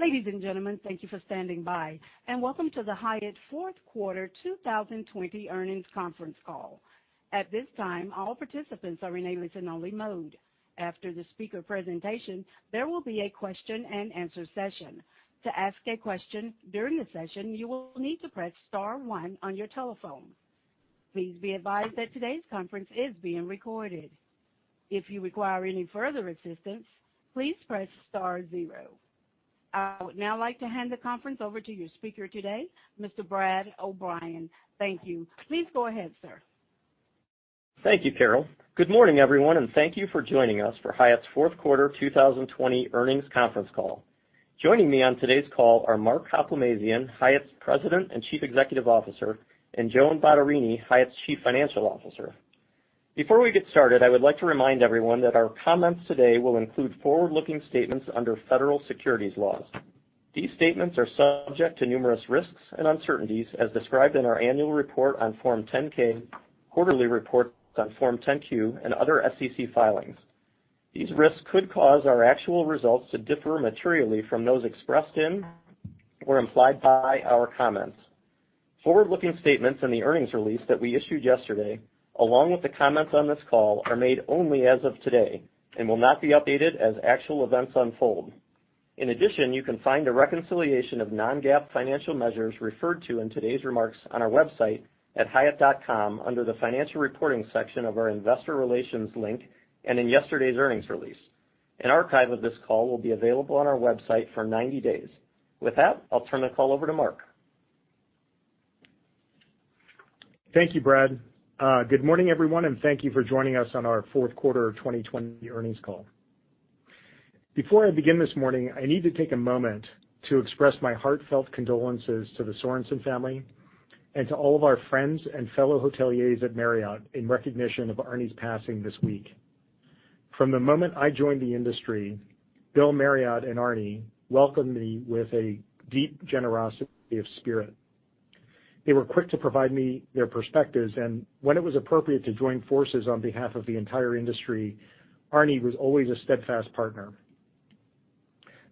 Ladies and gentlemen, thank you for standing by, and welcome to the Hyatt Fourth Quarter 2020 Earnings Conference Call. At this time, all participants are in a listen-only mode. After the speaker presentation, there will be a question-and-answer session. To ask a question during the session, you will need to press star one on your telephone. Please be advised that today's conference is being recorded. If you require any further assistance, please press star zero. I would now like to hand the conference over to your speaker today, Mr. Brad O'Bryan. Thank you. Please go ahead, sir. Thank you, Carol. Good morning, everyone, and thank you for joining us for Hyatt's Fourth Quarter 2020 Earnings Conference Call. Joining me on today's call are Mark Hoplamazian, Hyatt's President and Chief Executive Officer, and Joan Bottarini, Hyatt's Chief Financial Officer. Before we get started, I would like to remind everyone that our comments today will include forward-looking statements under federal securities laws. These statements are subject to numerous risks and uncertainties, as described in our annual report on Form 10-K, quarterly reports on Form 10-Q, and other SEC filings. These risks could cause our actual results to differ materially from those expressed in or implied by our comments. Forward-looking statements in the earnings release that we issued yesterday, along with the comments on this call, are made only as of today and will not be updated as actual events unfold. In addition, you can find a reconciliation of non-GAAP financial measures referred to in today's remarks on our website at hyatt.com under the financial reporting section of our investor relations link and in yesterday's earnings release. An archive of this call will be available on our website for 90 days. With that, I'll turn the call over to Mark. Thank you, Brad. Good morning, everyone, and thank you for joining us on our fourth quarter 2020 earnings call. Before I begin this morning, I need to take a moment to express my heartfelt condolences to the Sorensen family and to all of our friends and fellow hoteliers at Marriott in recognition of Arne's passing this week. From the moment I joined the industry, Bill Marriott and Arne welcomed me with a deep generosity of spirit. They were quick to provide me their perspectives, and when it was appropriate to join forces on behalf of the entire industry, Arne was always a steadfast partner.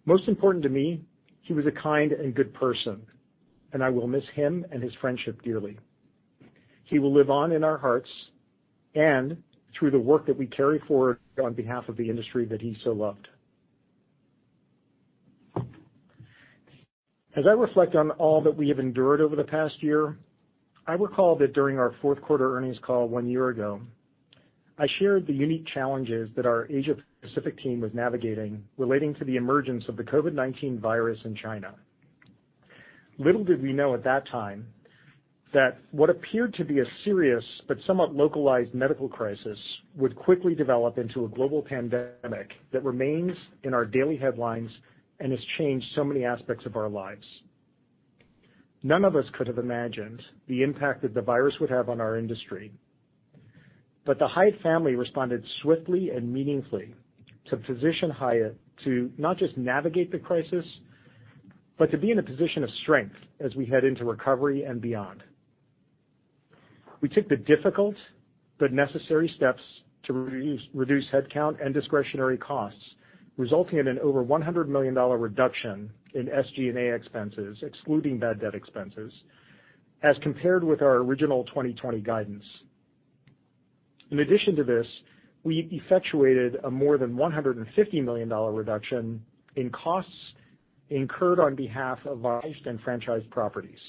Most important to me, he was a kind and good person, and I will miss him and his friendship dearly. He will live on in our hearts and through the work that we carry forward on behalf of the industry that he so loved. As I reflect on all that we have endured over the past year, I recall that during our fourth quarter earnings call one year ago, I shared the unique challenges that our Asia-Pacific team was navigating relating to the emergence of the COVID-19 virus in China. Little did we know at that time that what appeared to be a serious but somewhat localized medical crisis would quickly develop into a global pandemic that remains in our daily headlines and has changed so many aspects of our lives. None of us could have imagined the impact that the virus would have on our industry, but the Hyatt family responded swiftly and meaningfully to position Hyatt to not just navigate the crisis, but to be in a position of strength as we head into recovery and beyond. We took the difficult but necessary steps to reduce headcount and discretionary costs, resulting in an over $100 million reduction in SG&A expenses, excluding bad debt expenses, as compared with our original 2020 guidance. In addition to this, we effectuated a more than $150 million reduction in costs incurred on behalf of lifestyle franchise properties.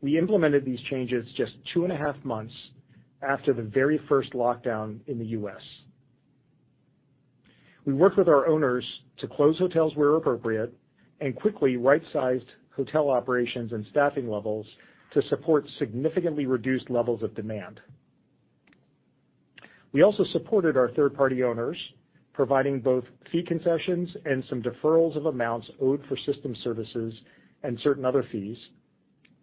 We implemented these changes just two and a half months after the very first lockdown in the U.S. We worked with our owners to close hotels where appropriate and quickly right-sized hotel operations and staffing levels to support significantly reduced levels of demand. We also supported our third-party owners, providing both fee concessions and some deferrals of amounts owed for system services and certain other fees,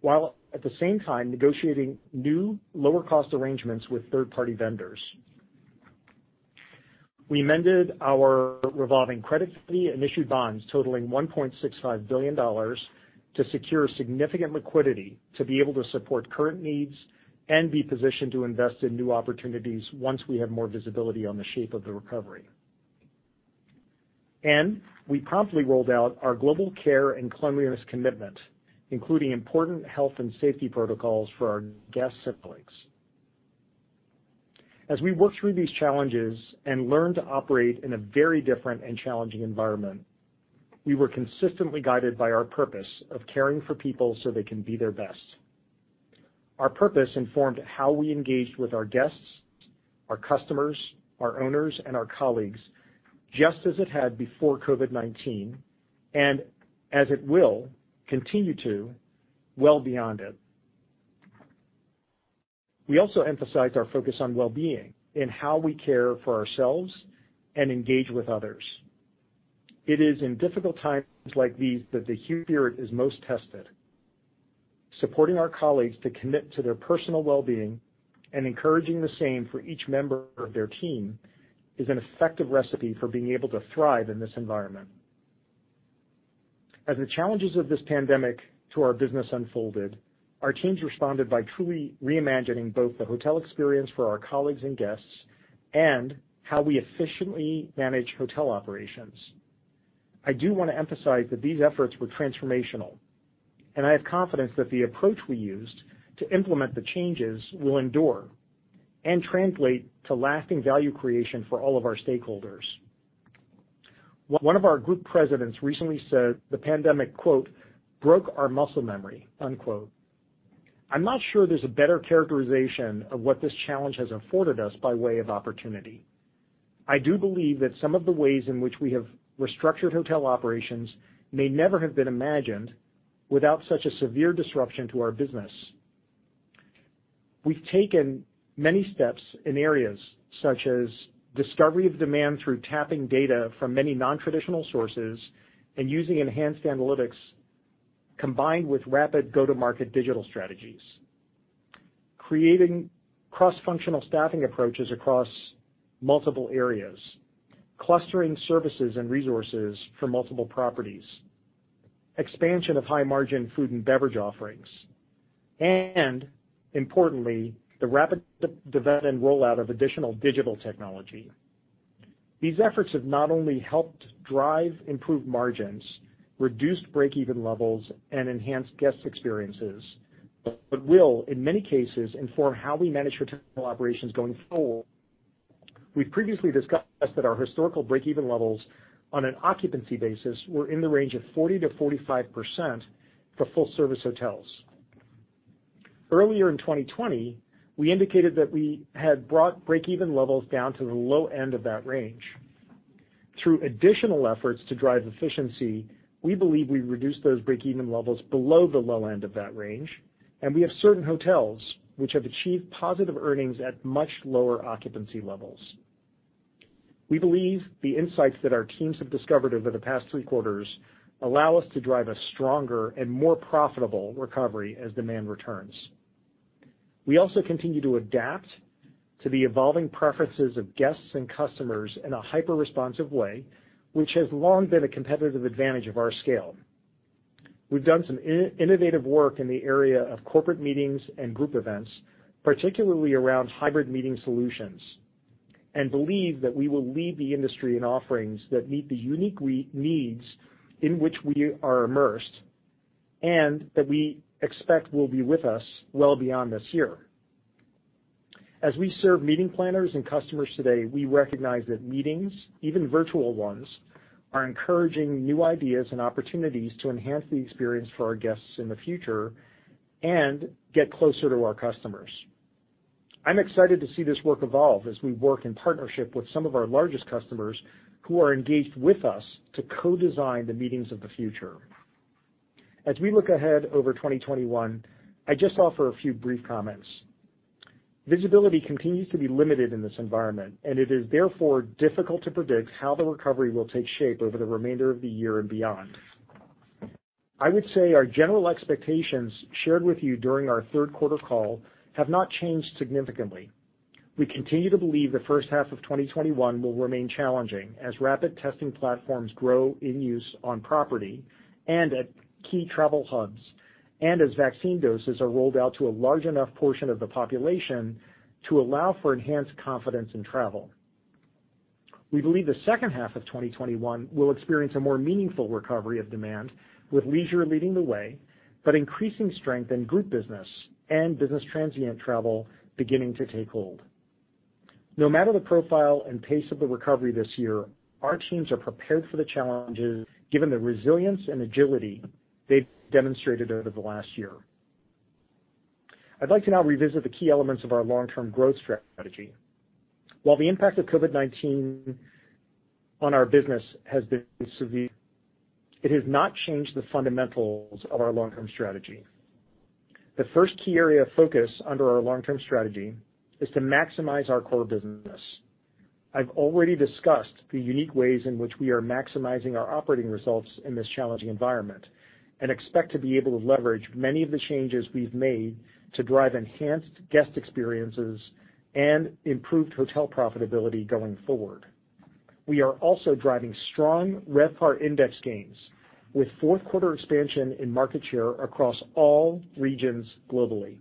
while at the same time negotiating new lower-cost arrangements with third-party vendors. We mended our revolving credit fee and issued bonds totaling $1.65 billion to secure significant liquidity to be able to support current needs and be positioned to invest in new opportunities once we have more visibility on the shape of the recovery. We promptly rolled out our global care and cleanliness commitment, including important health and safety protocols for our guests and colleagues. As we worked through these challenges and learned to operate in a very different and challenging environment, we were consistently guided by our purpose of caring for people so they can be their best. Our purpose informed how we engaged with our guests, our customers, our owners, and our colleagues, just as it had before COVID-19 and as it will continue to well beyond it. We also emphasized our focus on well-being in how we care for ourselves and engage with others. It is in difficult times like these that the human spirit is most tested. Supporting our colleagues to commit to their personal well-being and encouraging the same for each member of their team is an effective recipe for being able to thrive in this environment. As the challenges of this pandemic to our business unfolded, our teams responded by truly reimagining both the hotel experience for our colleagues and guests and how we efficiently manage hotel operations. I do want to emphasize that these efforts were transformational, and I have confidence that the approach we used to implement the changes will endure and translate to lasting value creation for all of our stakeholders. One of our group presidents recently said the pandemic, quote, "broke our muscle memory," unquote. I'm not sure there's a better characterization of what this challenge has afforded us by way of opportunity. I do believe that some of the ways in which we have restructured hotel operations may never have been imagined without such a severe disruption to our business. We have taken many steps in areas such as discovery of demand through tapping data from many non-traditional sources and using enhanced analytics combined with rapid go-to-market digital strategies, creating cross-functional staffing approaches across multiple areas, clustering services and resources for multiple properties, expansion of high-margin food and beverage offerings, and importantly, the rapid development and rollout of additional digital technology. These efforts have not only helped drive improved margins, reduced break-even levels, and enhanced guest experiences, but will, in many cases, inform how we manage hotel operations going forward. We have previously discussed that our historical break-even levels on an occupancy basis were in the range of 40%-45% for full-service hotels. Earlier in 2020, we indicated that we had brought break-even levels down to the low end of that range. Through additional efforts to drive efficiency, we believe we reduced those break-even levels below the low end of that range, and we have certain hotels which have achieved positive earnings at much lower occupancy levels. We believe the insights that our teams have discovered over the past three quarters allow us to drive a stronger and more profitable recovery as demand returns. We also continue to adapt to the evolving preferences of guests and customers in a hyper-responsive way, which has long been a competitive advantage of our scale. We've done some innovative work in the area of corporate meetings and group events, particularly around hybrid meeting solutions, and believe that we will lead the industry in offerings that meet the unique needs in which we are immersed and that we expect will be with us well beyond this year. As we serve meeting planners and customers today, we recognize that meetings, even virtual ones, are encouraging new ideas and opportunities to enhance the experience for our guests in the future and get closer to our customers. I'm excited to see this work evolve as we work in partnership with some of our largest customers who are engaged with us to co-design the meetings of the future. As we look ahead over 2021, I just offer a few brief comments. Visibility continues to be limited in this environment, and it is therefore difficult to predict how the recovery will take shape over the remainder of the year and beyond. I would say our general expectations shared with you during our third quarter call have not changed significantly. We continue to believe the first half of 2021 will remain challenging as rapid testing platforms grow in use on property and at key travel hubs and as vaccine doses are rolled out to a large enough portion of the population to allow for enhanced confidence in travel. We believe the second half of 2021 will experience a more meaningful recovery of demand, with leisure leading the way, but increasing strength in group business and business transient travel beginning to take hold. No matter the profile and pace of the recovery this year, our teams are prepared for the challenges given the resilience and agility they have demonstrated over the last year. I would like to now revisit the key elements of our long-term growth strategy. While the impact of COVID-19 on our business has been severe, it has not changed the fundamentals of our long-term strategy. The first key area of focus under our long-term strategy is to maximize our core business. I have already discussed the unique ways in which we are maximizing our operating results in this challenging environment and expect to be able to leverage many of the changes we have made to drive enhanced guest experiences and improved hotel profitability going forward. We are also driving strong RevPAR index gains with fourth quarter expansion in market share across all regions globally.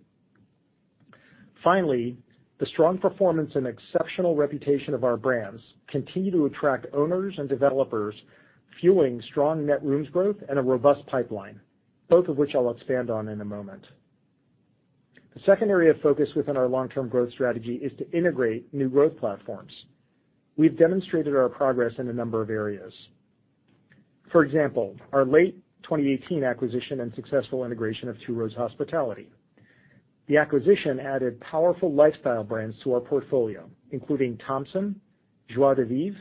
Finally, the strong performance and exceptional reputation of our brands continue to attract owners and developers, fueling strong net rooms growth and a robust pipeline, both of which I'll expand on in a moment. The second area of focus within our long-term growth strategy is to integrate new growth platforms. We've demonstrated our progress in a number of areas. For example, our late 2018 acquisition and successful integration of Two Roads Hospitality. The acquisition added powerful lifestyle brands to our portfolio, including Thompson, Joie de Vivre,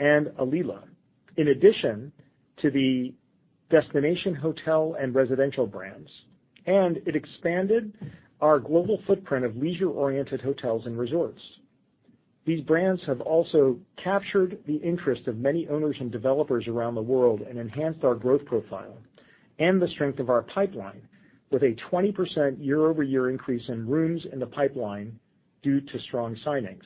and Alila, in addition to the Destination hotel and residential brands, and it expanded our global footprint of leisure-oriented hotels and resorts. These brands have also captured the interest of many owners and developers around the world and enhanced our growth profile and the strength of our pipeline with a 20% year-over-year increase in rooms in the pipeline due to strong signings.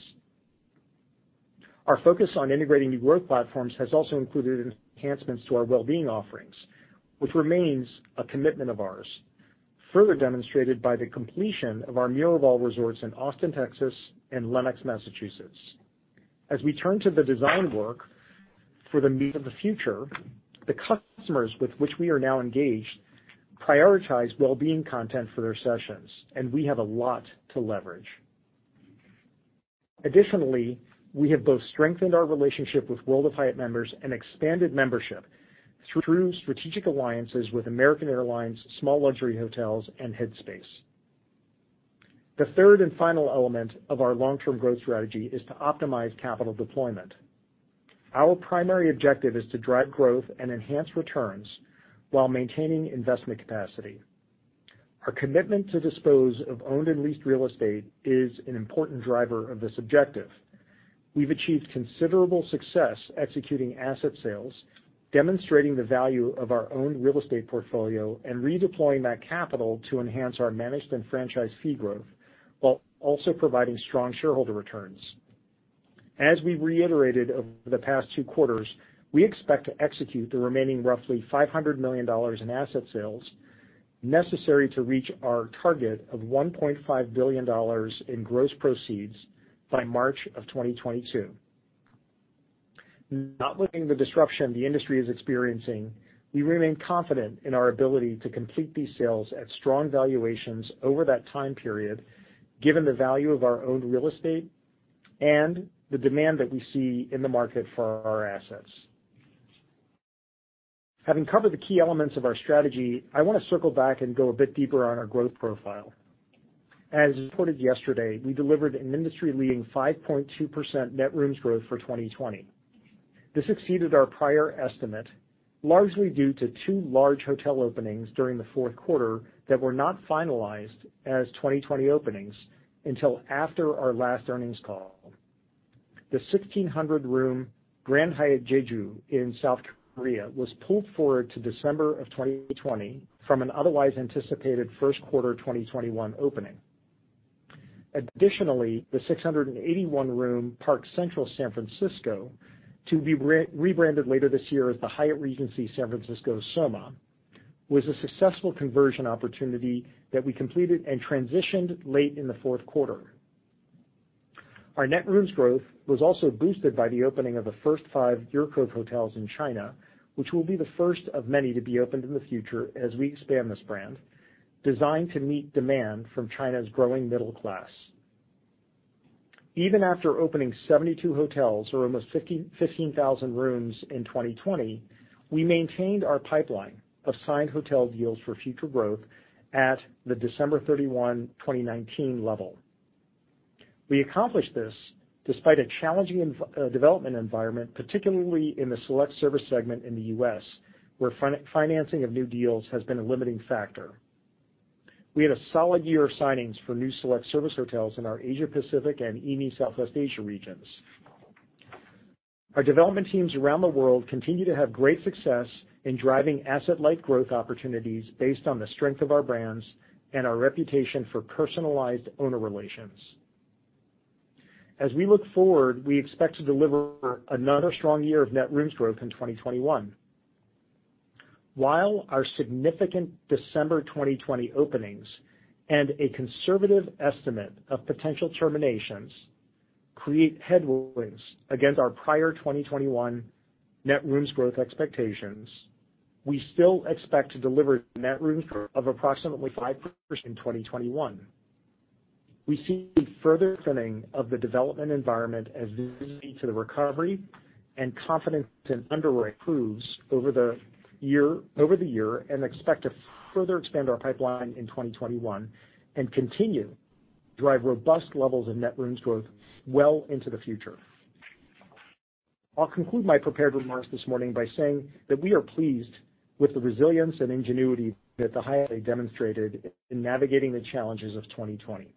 Our focus on integrating new growth platforms has also included enhancements to our well-being offerings, which remains a commitment of ours, further demonstrated by the completion of our Miraval Resorts in Austin, Texas, and Lenox, Massachusetts. As we turn to the design work for the meeting of the future, the customers with which we are now engaged prioritize well-being content for their sessions, and we have a lot to leverage. Additionally, we have both strengthened our relationship with World of Hyatt members and expanded membership through strategic alliances with American Airlines, Small Luxury Hotels of the World, and Headspace. The third and final element of our long-term growth strategy is to optimize capital deployment. Our primary objective is to drive growth and enhance returns while maintaining investment capacity. Our commitment to dispose of owned and leased real estate is an important driver of this objective. We've achieved considerable success executing asset sales, demonstrating the value of our owned real estate portfolio, and redeploying that capital to enhance our managed and franchise fee growth while also providing strong shareholder returns. As we reiterated over the past two quarters, we expect to execute the remaining roughly $500 million in asset sales necessary to reach our target of $1.5 billion in gross proceeds by March of 2022. Notwithstanding the disruption the industry is experiencing, we remain confident in our ability to complete these sales at strong valuations over that time period, given the value of our owned real estate and the demand that we see in the market for our assets. Having covered the key elements of our strategy, I want to circle back and go a bit deeper on our growth profile. As reported yesterday, we delivered an industry-leading 5.2% net rooms growth for 2020. This exceeded our prior estimate, largely due to two large hotel openings during the fourth quarter that were not finalized as 2020 openings until after our last earnings call. The 1,600-room Grand Hyatt Jeju in South Korea was pulled forward to December of 2020 from an otherwise anticipated first quarter 2021 opening. Additionally, the 681-room Park Central San Francisco, to be rebranded later this year as the Hyatt Regency San Francisco Soma, was a successful conversion opportunity that we completed and transitioned late in the fourth quarter. Our net rooms growth was also boosted by the opening of the first five UrCove hotels in China, which will be the first of many to be opened in the future as we expand this brand, designed to meet demand from China's growing middle class. Even after opening 72 hotels or almost 15,000 rooms in 2020, we maintained our pipeline of signed hotel deals for future growth at the December 31, 2019 level. We accomplished this despite a challenging development environment, particularly in the select service segment in the U.S., where financing of new deals has been a limiting factor. We had a solid year of signings for new select service hotels in our Asia-Pacific and EMEA Southwest Asia regions. Our development teams around the world continue to have great success in driving asset-light growth opportunities based on the strength of our brands and our reputation for personalized owner relations. As we look forward, we expect to deliver another strong year of net rooms growth in 2021. While our significant December 2020 openings and a conservative estimate of potential terminations create headwinds against our prior 2021 net rooms growth expectations, we still expect to deliver net rooms growth of approximately 5% in 2021. We see further thinning of the development environment as leading to the recovery and confidence in underwriting improves over the year and expect to further expand our pipeline in 2021 and continue to drive robust levels of net rooms growth well into the future. I'll conclude my prepared remarks this morning by saying that we are pleased with the resilience and ingenuity that Hyatt has demonstrated in navigating the challenges of 2020.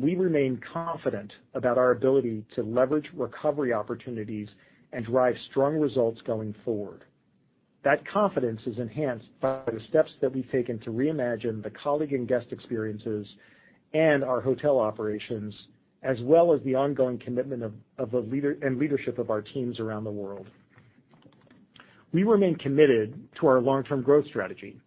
We remain confident about our ability to leverage recovery opportunities and drive strong results going forward. That confidence is enhanced by the steps that we've taken to reimagine the colleague and guest experiences and our hotel operations, as well as the ongoing commitment and leadership of our teams around the world. We remain committed to our long-term growth strategy.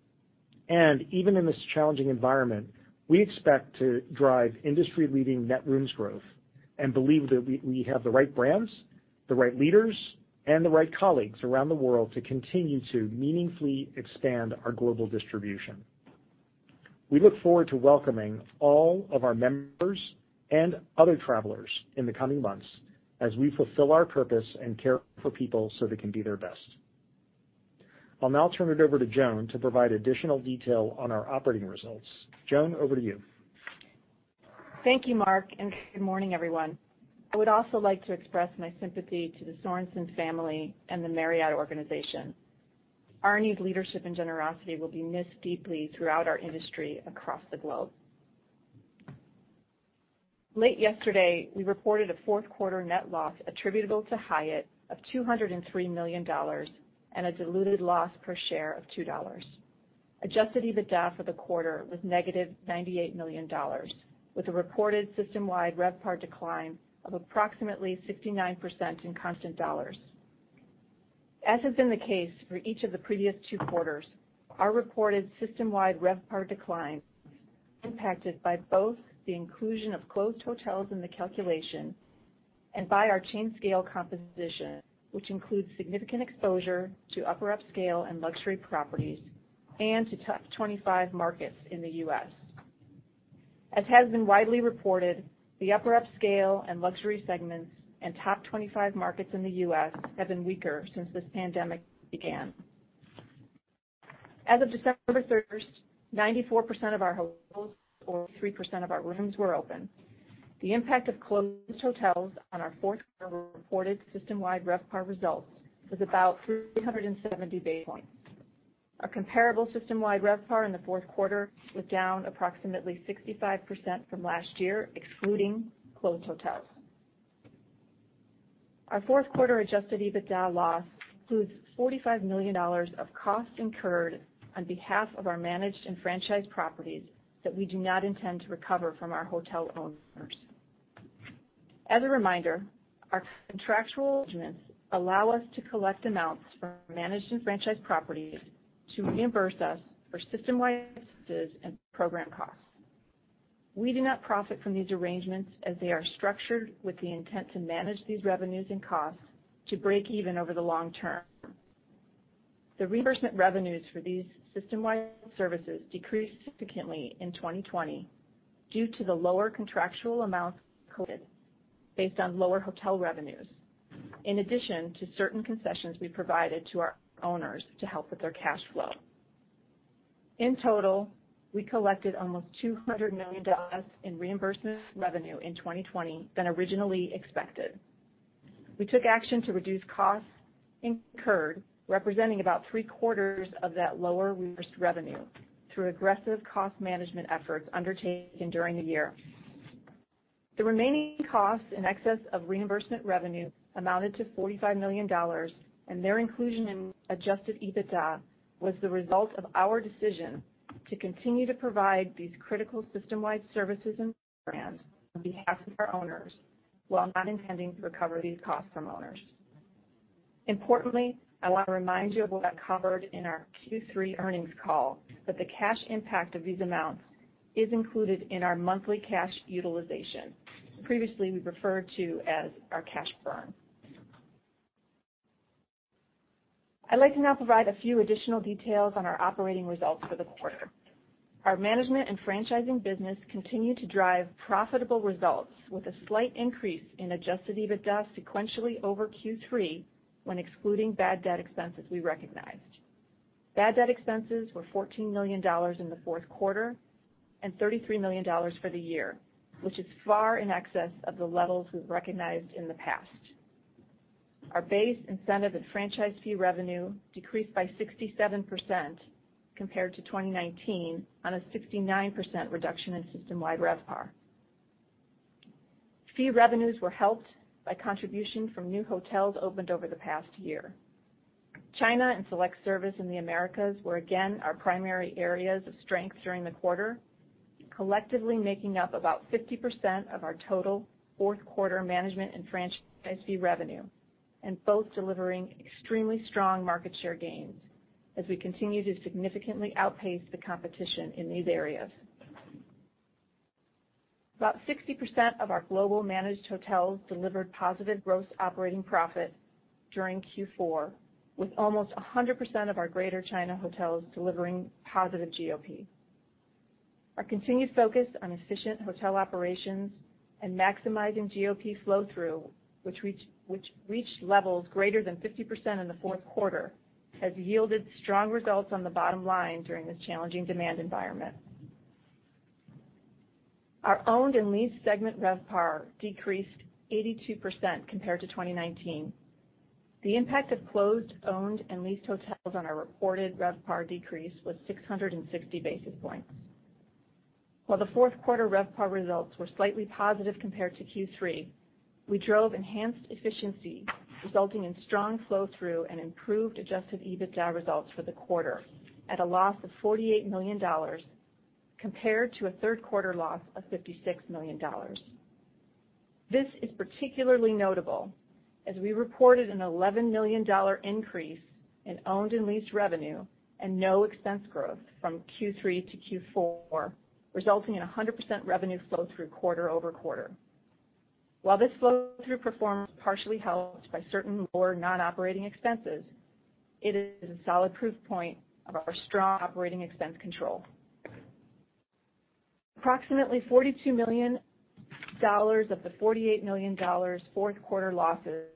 Even in this challenging environment, we expect to drive industry-leading net rooms growth and believe that we have the right brands, the right leaders, and the right colleagues around the world to continue to meaningfully expand our global distribution. We look forward to welcoming all of our members and other travelers in the coming months as we fulfill our purpose and care for people so they can be their best. I'll now turn it over to Joan to provide additional detail on our operating results. Joan, over to you. Thank you, Mark, and good morning, everyone. I would also like to express my sympathy to the Sorenson family and the Marriott organization. Arne's leadership and generosity will be missed deeply throughout our industry across the globe. Late yesterday, we reported a fourth quarter net loss attributable to Hyatt of $203 million and a diluted loss per share of $2. Adjusted EBITDA for the quarter was -$98 million, with a reported system-wide RevPAR decline of approximately 69% in constant dollars. As has been the case for each of the previous two quarters, our reported system-wide RevPAR decline is impacted by both the inclusion of closed hotels in the calculation and by our chain scale composition, which includes significant exposure to upper-upscale and luxury properties and to Top 25 markets in the U.S. As has been widely reported, the upper-up scale and luxury segments and Top 25 markets in the U.S. have been weaker since this pandemic began. As of December 31st, 94% of our hotels or 3% of our rooms were open. The impact of closed hotels on our fourth quarter reported system-wide RevPAR results was about 370 basis points. Our comparable system-wide RevPAR in the fourth quarter was down approximately 65% from last year, excluding closed hotels. Our fourth quarter adjusted EBITDA loss includes $45 million of costs incurred on behalf of our managed and franchise properties that we do not intend to recover from our hotel owners. As a reminder, our contractual arrangements allow us to collect amounts from managed and franchise properties to reimburse us for system-wide expenses and program costs. We do not profit from these arrangements as they are structured with the intent to manage these revenues and costs to break even over the long term. The reimbursement revenues for these system-wide services decreased significantly in 2020 due to the lower contractual amounts collected based on lower hotel revenues, in addition to certain concessions we provided to our owners to help with their cash flow. In total, we collected almost $200 million less in reimbursement revenue in 2020 than originally expected. We took action to reduce costs incurred, representing about three-quarters of that lower reimbursed revenue, through aggressive cost management efforts undertaken during the year. The remaining costs in excess of reimbursement revenue amounted to $45 million, and their inclusion in adjusted EBITDA was the result of our decision to continue to provide these critical system-wide services and brands on behalf of our owners while not intending to recover these costs from owners. Importantly, I want to remind you of what I covered in our Q3 earnings call, that the cash impact of these amounts is included in our monthly cash utilization, previously referred to as our cash burn. I'd like to now provide a few additional details on our operating results for the quarter. Our management and franchising business continued to drive profitable results with a slight increase in adjusted EBITDA sequentially over Q3 when excluding bad debt expenses we recognized. Bad debt expenses were $14 million in the fourth quarter and $33 million for the year, which is far in excess of the levels we've recognized in the past. Our base incentive and franchise fee revenue decreased by 67% compared to 2019 on a 69% reduction in system-wide RevPAR. Fee revenues were helped by contributions from new hotels opened over the past year. China and select service in the Americas were again our primary areas of strength during the quarter, collectively making up about 50% of our total fourth quarter management and franchise fee revenue, and both delivering extremely strong market share gains as we continue to significantly outpace the competition in these areas. About 60% of our global managed hotels delivered positive gross operating profit during Q4, with almost 100% of our Greater China hotels delivering positive GOP. Our continued focus on efficient hotel operations and maximizing GOP flow-through, which reached levels greater than 50% in the fourth quarter, has yielded strong results on the bottom line during this challenging demand environment. Our owned and leased segment RevPAR decreased 82% compared to 2019. The impact of closed owned and leased hotels on our reported RevPAR decrease was 660 basis points. While the fourth quarter RevPAR results were slightly positive compared to Q3, we drove enhanced efficiency, resulting in strong flow-through and improved adjusted EBITDA results for the quarter at a loss of $48 million compared to a third quarter loss of $56 million. This is particularly notable as we reported an $11 million increase in owned and leased revenue and no expense growth from Q3 to Q4, resulting in 100% revenue flow-through quarter-over-quarter. While this flow-through performance is partially helped by certain lower non-operating expenses, it is a solid proof point of our strong operating expense control. Approximately $42 million of the $48 million fourth quarter losses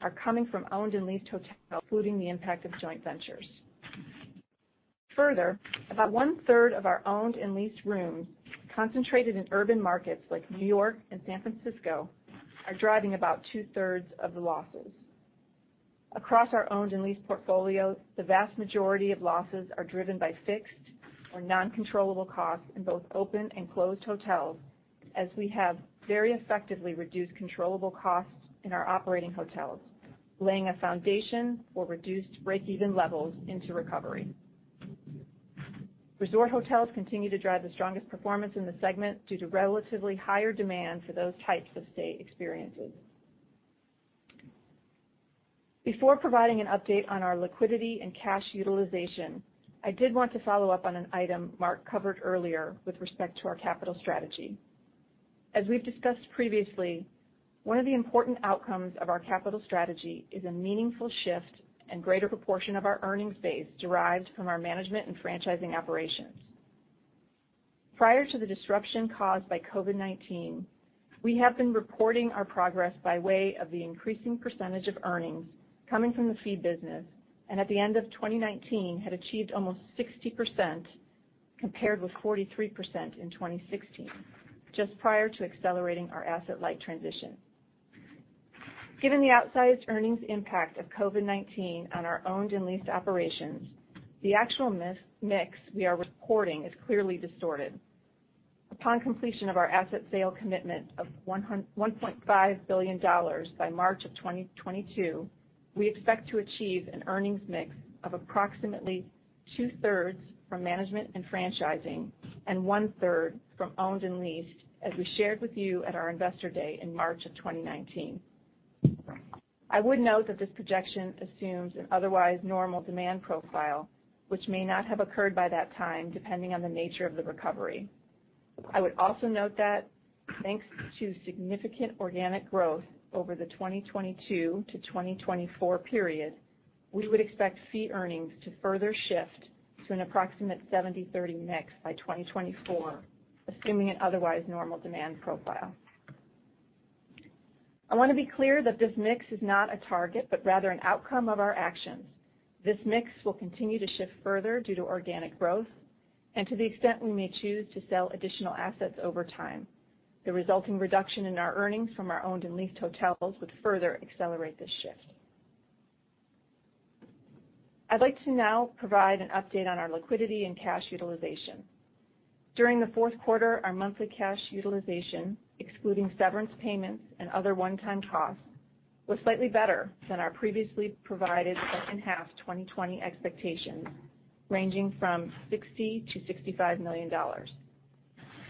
are coming from owned and leased hotels, including the impact of joint ventures. Further, about 1/3 of our owned and leased rooms concentrated in urban markets like New York and San Francisco are driving about 2/3 of the losses. Across our owned and leased portfolio, the vast majority of losses are driven by fixed or non-controllable costs in both open and closed hotels, as we have very effectively reduced controllable costs in our operating hotels, laying a foundation for reduced break-even levels into recovery. Resort hotels continue to drive the strongest performance in the segment due to relatively higher demand for those types of stay experiences. Before providing an update on our liquidity and cash utilization, I did want to follow up on an item Mark covered earlier with respect to our capital strategy. As we've discussed previously, one of the important outcomes of our capital strategy is a meaningful shift and greater proportion of our earnings base derived from our management and franchising operations. Prior to the disruption caused by COVID-19, we have been reporting our progress by way of the increasing percentage of earnings coming from the fee business, and at the end of 2019, had achieved almost 60% compared with 43% in 2016, just prior to accelerating our asset-like transition. Given the outsized earnings impact of COVID-19 on our owned and leased operations, the actual mix we are reporting is clearly distorted. Upon completion of our asset sale commitment of $1.5 billion by March of 2022, we expect to achieve an earnings mix of approximately 2/3 from management and franchising and 1/3 from owned and leased, as we shared with you at our investor day in March of 2019. I would note that this projection assumes an otherwise normal demand profile, which may not have occurred by that time, depending on the nature of the recovery. I would also note that thanks to significant organic growth over the 2022 to 2024 period, we would expect fee earnings to further shift to an approximate 70/30 mix by 2024, assuming an otherwise normal demand profile. I want to be clear that this mix is not a target, but rather an outcome of our actions. This mix will continue to shift further due to organic growth and to the extent we may choose to sell additional assets over time. The resulting reduction in our earnings from our owned and leased hotels would further accelerate this shift. I'd like to now provide an update on our liquidity and cash utilization. During the fourth quarter, our monthly cash utilization, excluding severance payments and other one-time costs, was slightly better than our previously provided second half 2020 expectations, ranging from $60 million-$65 million.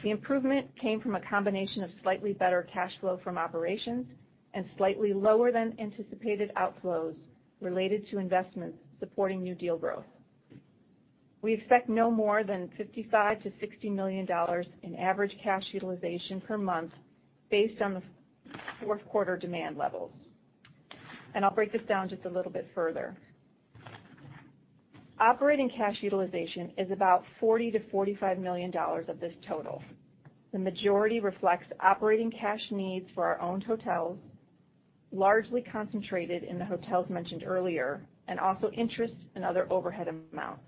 The improvement came from a combination of slightly better cash flow from operations and slightly lower than anticipated outflows related to investments supporting new deal growth. We expect no more than $55 million-$60 million in average cash utilization per month based on the fourth quarter demand levels. I'll break this down just a little bit further. Operating cash utilization is about $40 million-$45 million of this total. The majority reflects operating cash needs for our owned hotels, largely concentrated in the hotels mentioned earlier, and also interest and other overhead amounts.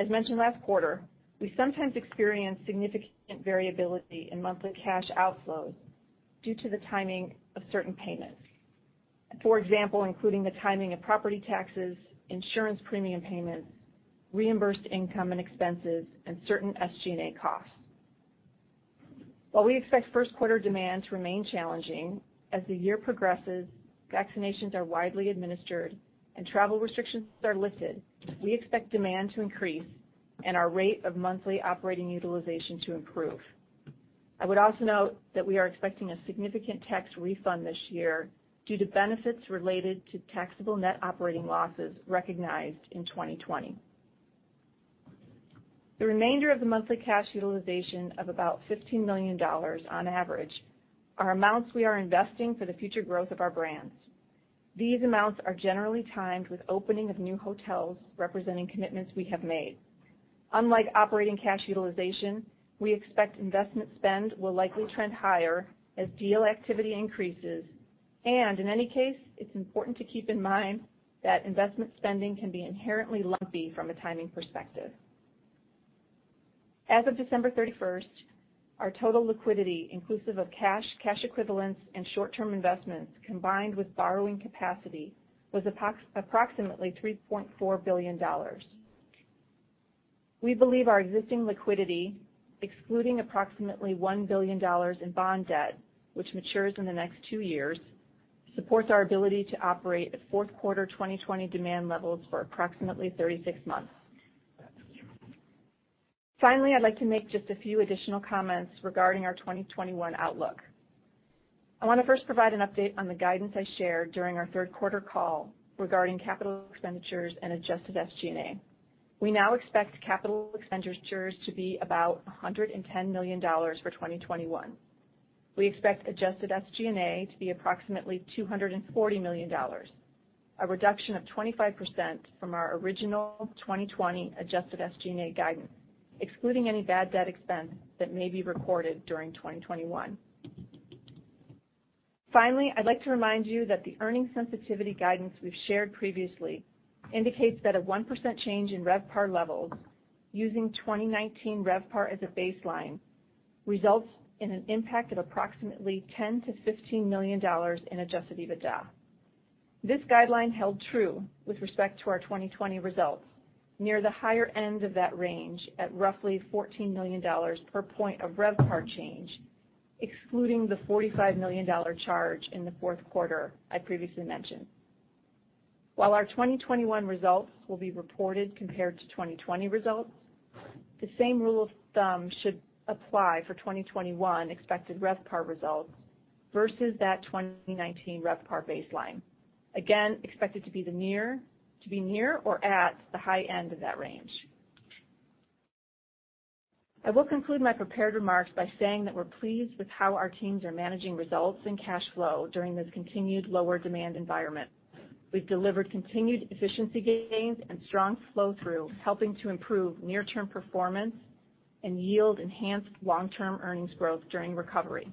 As mentioned last quarter, we sometimes experience significant variability in monthly cash outflows due to the timing of certain payments, for example, including the timing of property taxes, insurance premium payments, reimbursed income and expenses, and certain SG&A costs. While we expect first quarter demand to remain challenging as the year progresses, vaccinations are widely administered, and travel restrictions are lifted, we expect demand to increase and our rate of monthly operating utilization to improve. I would also note that we are expecting a significant tax refund this year due to benefits related to taxable net operating losses recognized in 2020. The remainder of the monthly cash utilization of about $15 million on average are amounts we are investing for the future growth of our brands. These amounts are generally timed with opening of new hotels, representing commitments we have made. Unlike operating cash utilization, we expect investment spend will likely trend higher as deal activity increases. In any case, it's important to keep in mind that investment spending can be inherently lumpy from a timing perspective. As of December 31st, our total liquidity, inclusive of cash, cash equivalents, and short-term investments, combined with borrowing capacity, was approximately $3.4 billion. We believe our existing liquidity, excluding approximately $1 billion in bond debt, which matures in the next two years, supports our ability to operate at fourth quarter 2020 demand levels for approximately 36 months. Finally, I'd like to make just a few additional comments regarding our 2021 outlook. I want to first provide an update on the guidance I shared during our third quarter call regarding capital expenditures and adjusted SG&A. We now expect capital expenditures to be about $110 million for 2021. We expect adjusted SG&A to be approximately $240 million, a reduction of 25% from our original 2020 adjusted SG&A guidance, excluding any bad debt expense that may be recorded during 2021. Finally, I'd like to remind you that the earnings sensitivity guidance we've shared previously indicates that a 1% change in RevPAR levels, using 2019 RevPAR as a baseline, results in an impact of approximately $10 million-$15 million in adjusted EBITDA. This guideline held true with respect to our 2020 results, near the higher end of that range at roughly $14 million per point of RevPAR change, excluding the $45 million charge in the fourth quarter I previously mentioned. While our 2021 results will be reported compared to 2020 results, the same rule of thumb should apply for 2021 expected RevPAR results versus that 2019 RevPAR baseline, again expected to be near or at the high end of that range. I will conclude my prepared remarks by saying that we're pleased with how our teams are managing results and cash flow during this continued lower demand environment. We've delivered continued efficiency gains and strong flow-through, helping to improve near-term performance and yield enhanced long-term earnings growth during recovery.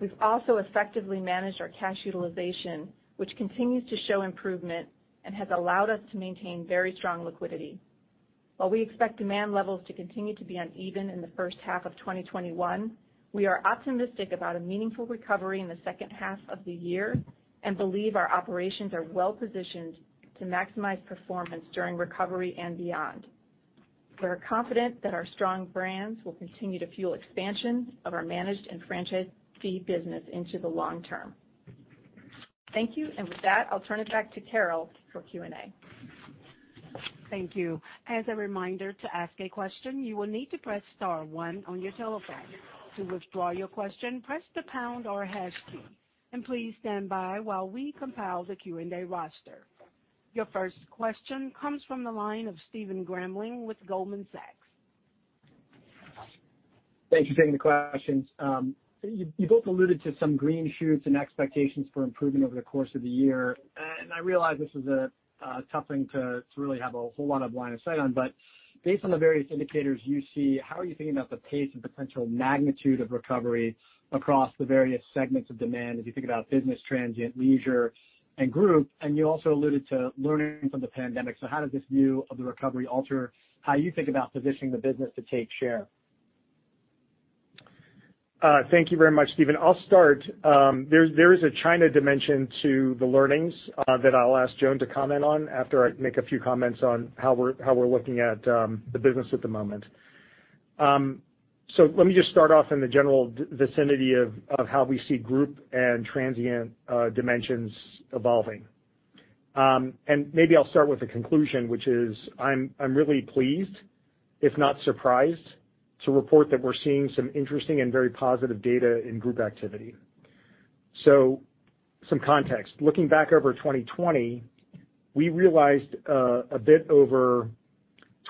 We've also effectively managed our cash utilization, which continues to show improvement and has allowed us to maintain very strong liquidity. While we expect demand levels to continue to be uneven in the first half of 2021, we are optimistic about a meaningful recovery in the second half of the year and believe our operations are well positioned to maximize performance during recovery and beyond. We are confident that our strong brands will continue to fuel expansion of our managed and franchise fee business into the long term. Thank you. With that, I'll turn it back to Carol for Q&A. Thank you. As a reminder to ask a question, you will need to press star one on your telephone. To withdraw your question, press the pound or hash key. Please stand by while we compile the Q&A roster. Your first question comes from the line of Stephen Grambling with Goldman Sachs. Thank you for taking the question. You both alluded to some green shoots and expectations for improvement over the course of the year. I realize this is a tough thing to really have a whole lot of line of sight on. Based on the various indicators you see, how are you thinking about the pace and potential magnitude of recovery across the various segments of demand as you think about business, transient, leisure, and group? You also alluded to learning from the pandemic. How does this view of the recovery alter how you think about positioning the business to take share? Thank you very much, Stephen. I'll start. There is a China dimension to the learnings that I'll ask Joan to comment on after I make a few comments on how we're looking at the business at the moment. Let me just start off in the general vicinity of how we see group and transient dimensions evolving. Maybe I'll start with a conclusion, which is I'm really pleased, if not surprised, to report that we're seeing some interesting and very positive data in group activity. Some context. Looking back over 2020, we realized a bit over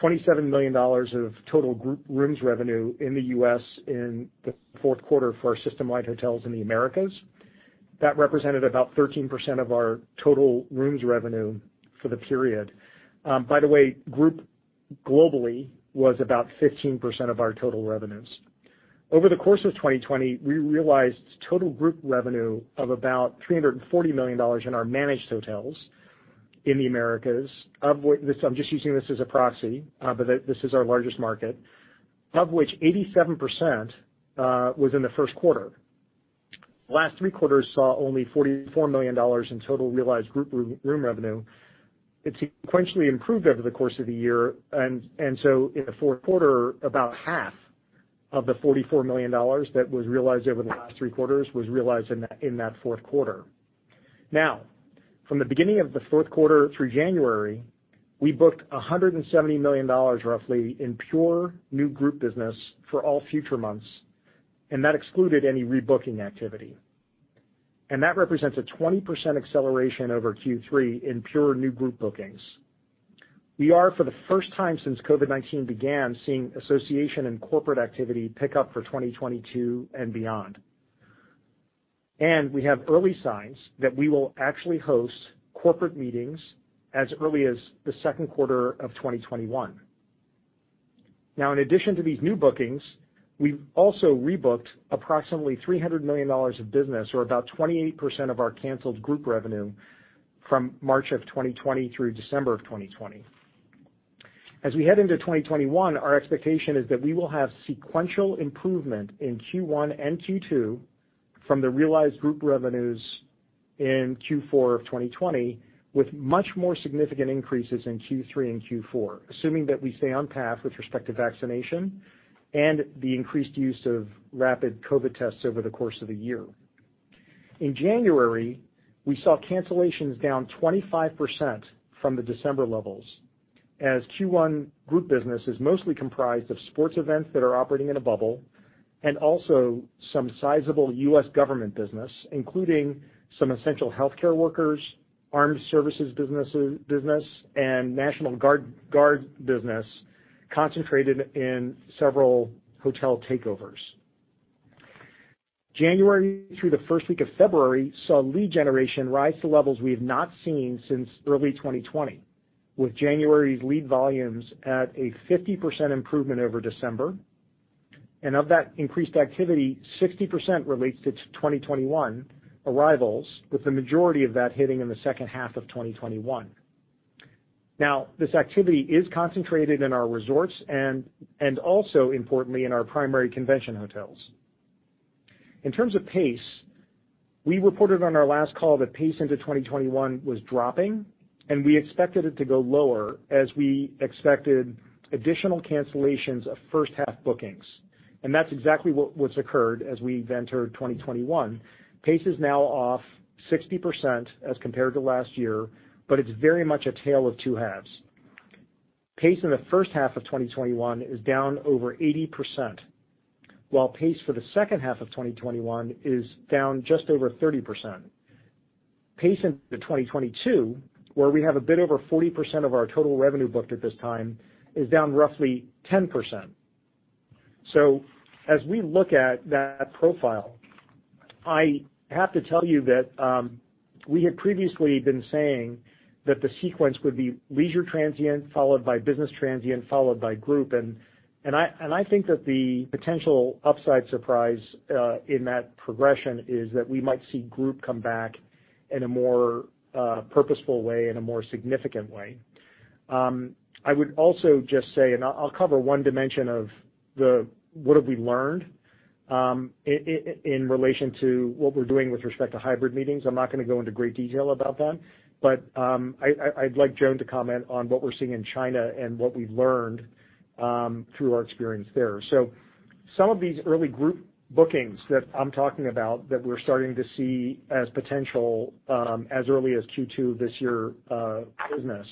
$27 million of total rooms revenue in the U.S. in the fourth quarter for our system-wide hotels in the Americas. That represented about 13% of our total rooms revenue for the period. By the way, group globally was about 15% of our total revenues. Over the course of 2020, we realized total group revenue of about $340 million in our managed hotels in the Americas, of which I'm just using this as a proxy, but this is our largest market, of which 87% was in the first quarter. The last three quarters saw only $44 million in total realized group room revenue. It sequentially improved over the course of the year. In the fourth quarter, about half of the $44 million that was realized over the last three quarters was realized in that fourth quarter. Now, from the beginning of the fourth quarter through January, we booked $170 million, roughly, in pure new group business for all future months. That excluded any rebooking activity. That represents a 20% acceleration over Q3 in pure new group bookings. We are, for the first time since COVID-19 began, seeing association and corporate activity pick up for 2022 and beyond. We have early signs that we will actually host corporate meetings as early as the second quarter of 2021. In addition to these new bookings, we have also rebooked approximately $300 million of business, or about 28% of our canceled group revenue from March of 2020 through December of 2020. As we head into 2021, our expectation is that we will have sequential improvement in Q1 and Q2 from the realized group revenues in Q4 of 2020, with much more significant increases in Q3 and Q4, assuming that we stay on path with respect to vaccination and the increased use of rapid COVID tests over the course of the year. In January, we saw cancellations down 25% from the December levels, as Q1 group business is mostly comprised of sports events that are operating in a bubble and also some sizable U.S. government business, including some essential healthcare workers, armed services business, and national guard business concentrated in several hotel takeovers. January through the first week of February saw lead generation rise to levels we have not seen since early 2020, with January's lead volumes at a 50% improvement over December. Of that increased activity, 60% relates to 2021 arrivals, with the majority of that hitting in the second half of 2021. This activity is concentrated in our resorts and also, importantly, in our primary convention hotels. In terms of pace, we reported on our last call that pace into 2021 was dropping, and we expected it to go lower as we expected additional cancellations of first-half bookings. That is exactly what has occurred as we have entered 2021. Pace is now off 60% as compared to last year, but it is very much a tale of two halves. Pace in the first half of 2021 is down over 80%, while pace for the second half of 2021 is down just over 30%. Pace into 2022, where we have a bit over 40% of our total revenue booked at this time, is down roughly 10%. As we look at that profile, I have to tell you that we had previously been saying that the sequence would be leisure, transient, followed by business, transient, followed by group. I think that the potential upside surprise in that progression is that we might see group come back in a more purposeful way, in a more significant way. I would also just say, and I'll cover one dimension of the what have we learned in relation to what we're doing with respect to hybrid meetings. I'm not going to go into great detail about that. I'd like Joan to comment on what we're seeing in China and what we've learned through our experience there. Some of these early group bookings that I'm talking about that we're starting to see as potential as early as Q2 this year business,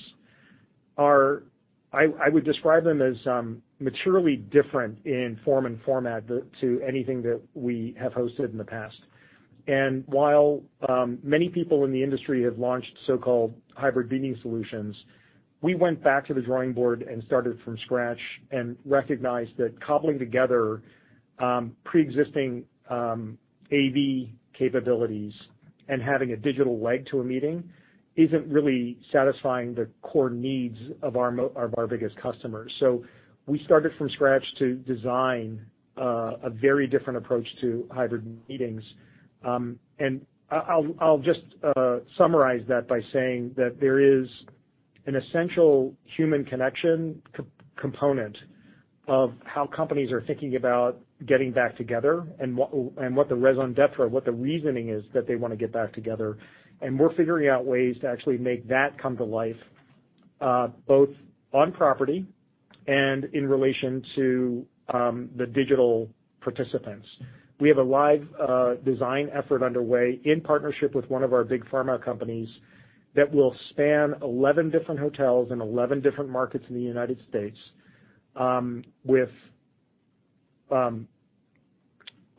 I would describe them as materially different in form and format to anything that we have hosted in the past. While many people in the industry have launched so-called hybrid meeting solutions, we went back to the drawing board and started from scratch and recognized that cobbling together pre-existing AV capabilities and having a digital leg to a meeting is not really satisfying the core needs of our biggest customers. We started from scratch to design a very different approach to hybrid meetings. I'll just summarize that by saying that there is an essential human connection component of how companies are thinking about getting back together and what the raison d'être, what the reasoning is that they want to get back together. We are figuring out ways to actually make that come to life, both on property and in relation to the digital participants. We have a live design effort underway in partnership with one of our big pharma companies that will span 11 different hotels in 11 different markets in the United States, with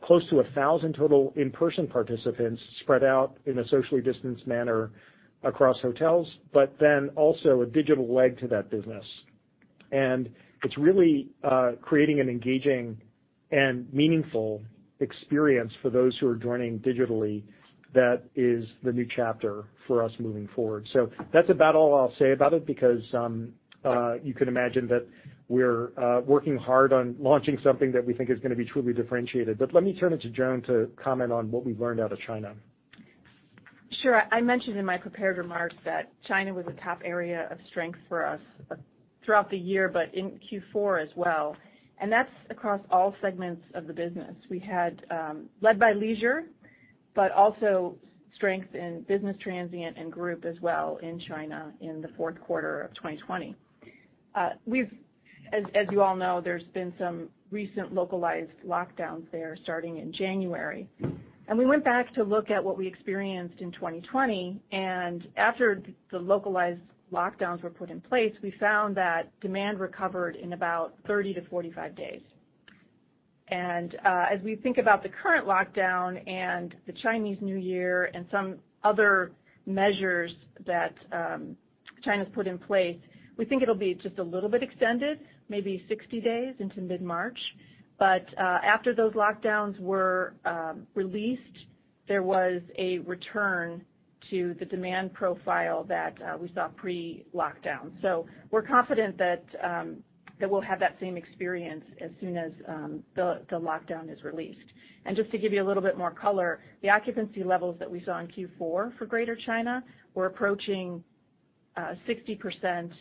close to 1,000 total in-person participants spread out in a socially distanced manner across hotels, but then also a digital leg to that business. It is really creating an engaging and meaningful experience for those who are joining digitally that is the new chapter for us moving forward. That is about all I will say about it because you can imagine that we are working hard on launching something that we think is going to be truly differentiated. Let me turn it to Joan to comment on what we have learned out of China. Sure. I mentioned in my prepared remarks that China was a top area of strength for us throughout the year, but in Q4 as well. That is across all segments of the business. We had led by leisure, but also strength in business, transient, and group as well in China in the fourth quarter of 2020. As you all know, there have been some recent localized lockdowns there starting in January. We went back to look at what we experienced in 2020. After the localized lockdowns were put in place, we found that demand recovered in about 30 days-45 days. As we think about the current lockdown and the Chinese New Year and some other measures that China has put in place, we think it will be just a little bit extended, maybe 60 days into mid-March. After those lockdowns were released, there was a return to the demand profile that we saw pre-lockdown. We are confident that we will have that same experience as soon as the lockdown is released. To give you a little bit more color, the occupancy levels that we saw in Q4 for Greater China were approaching 60%.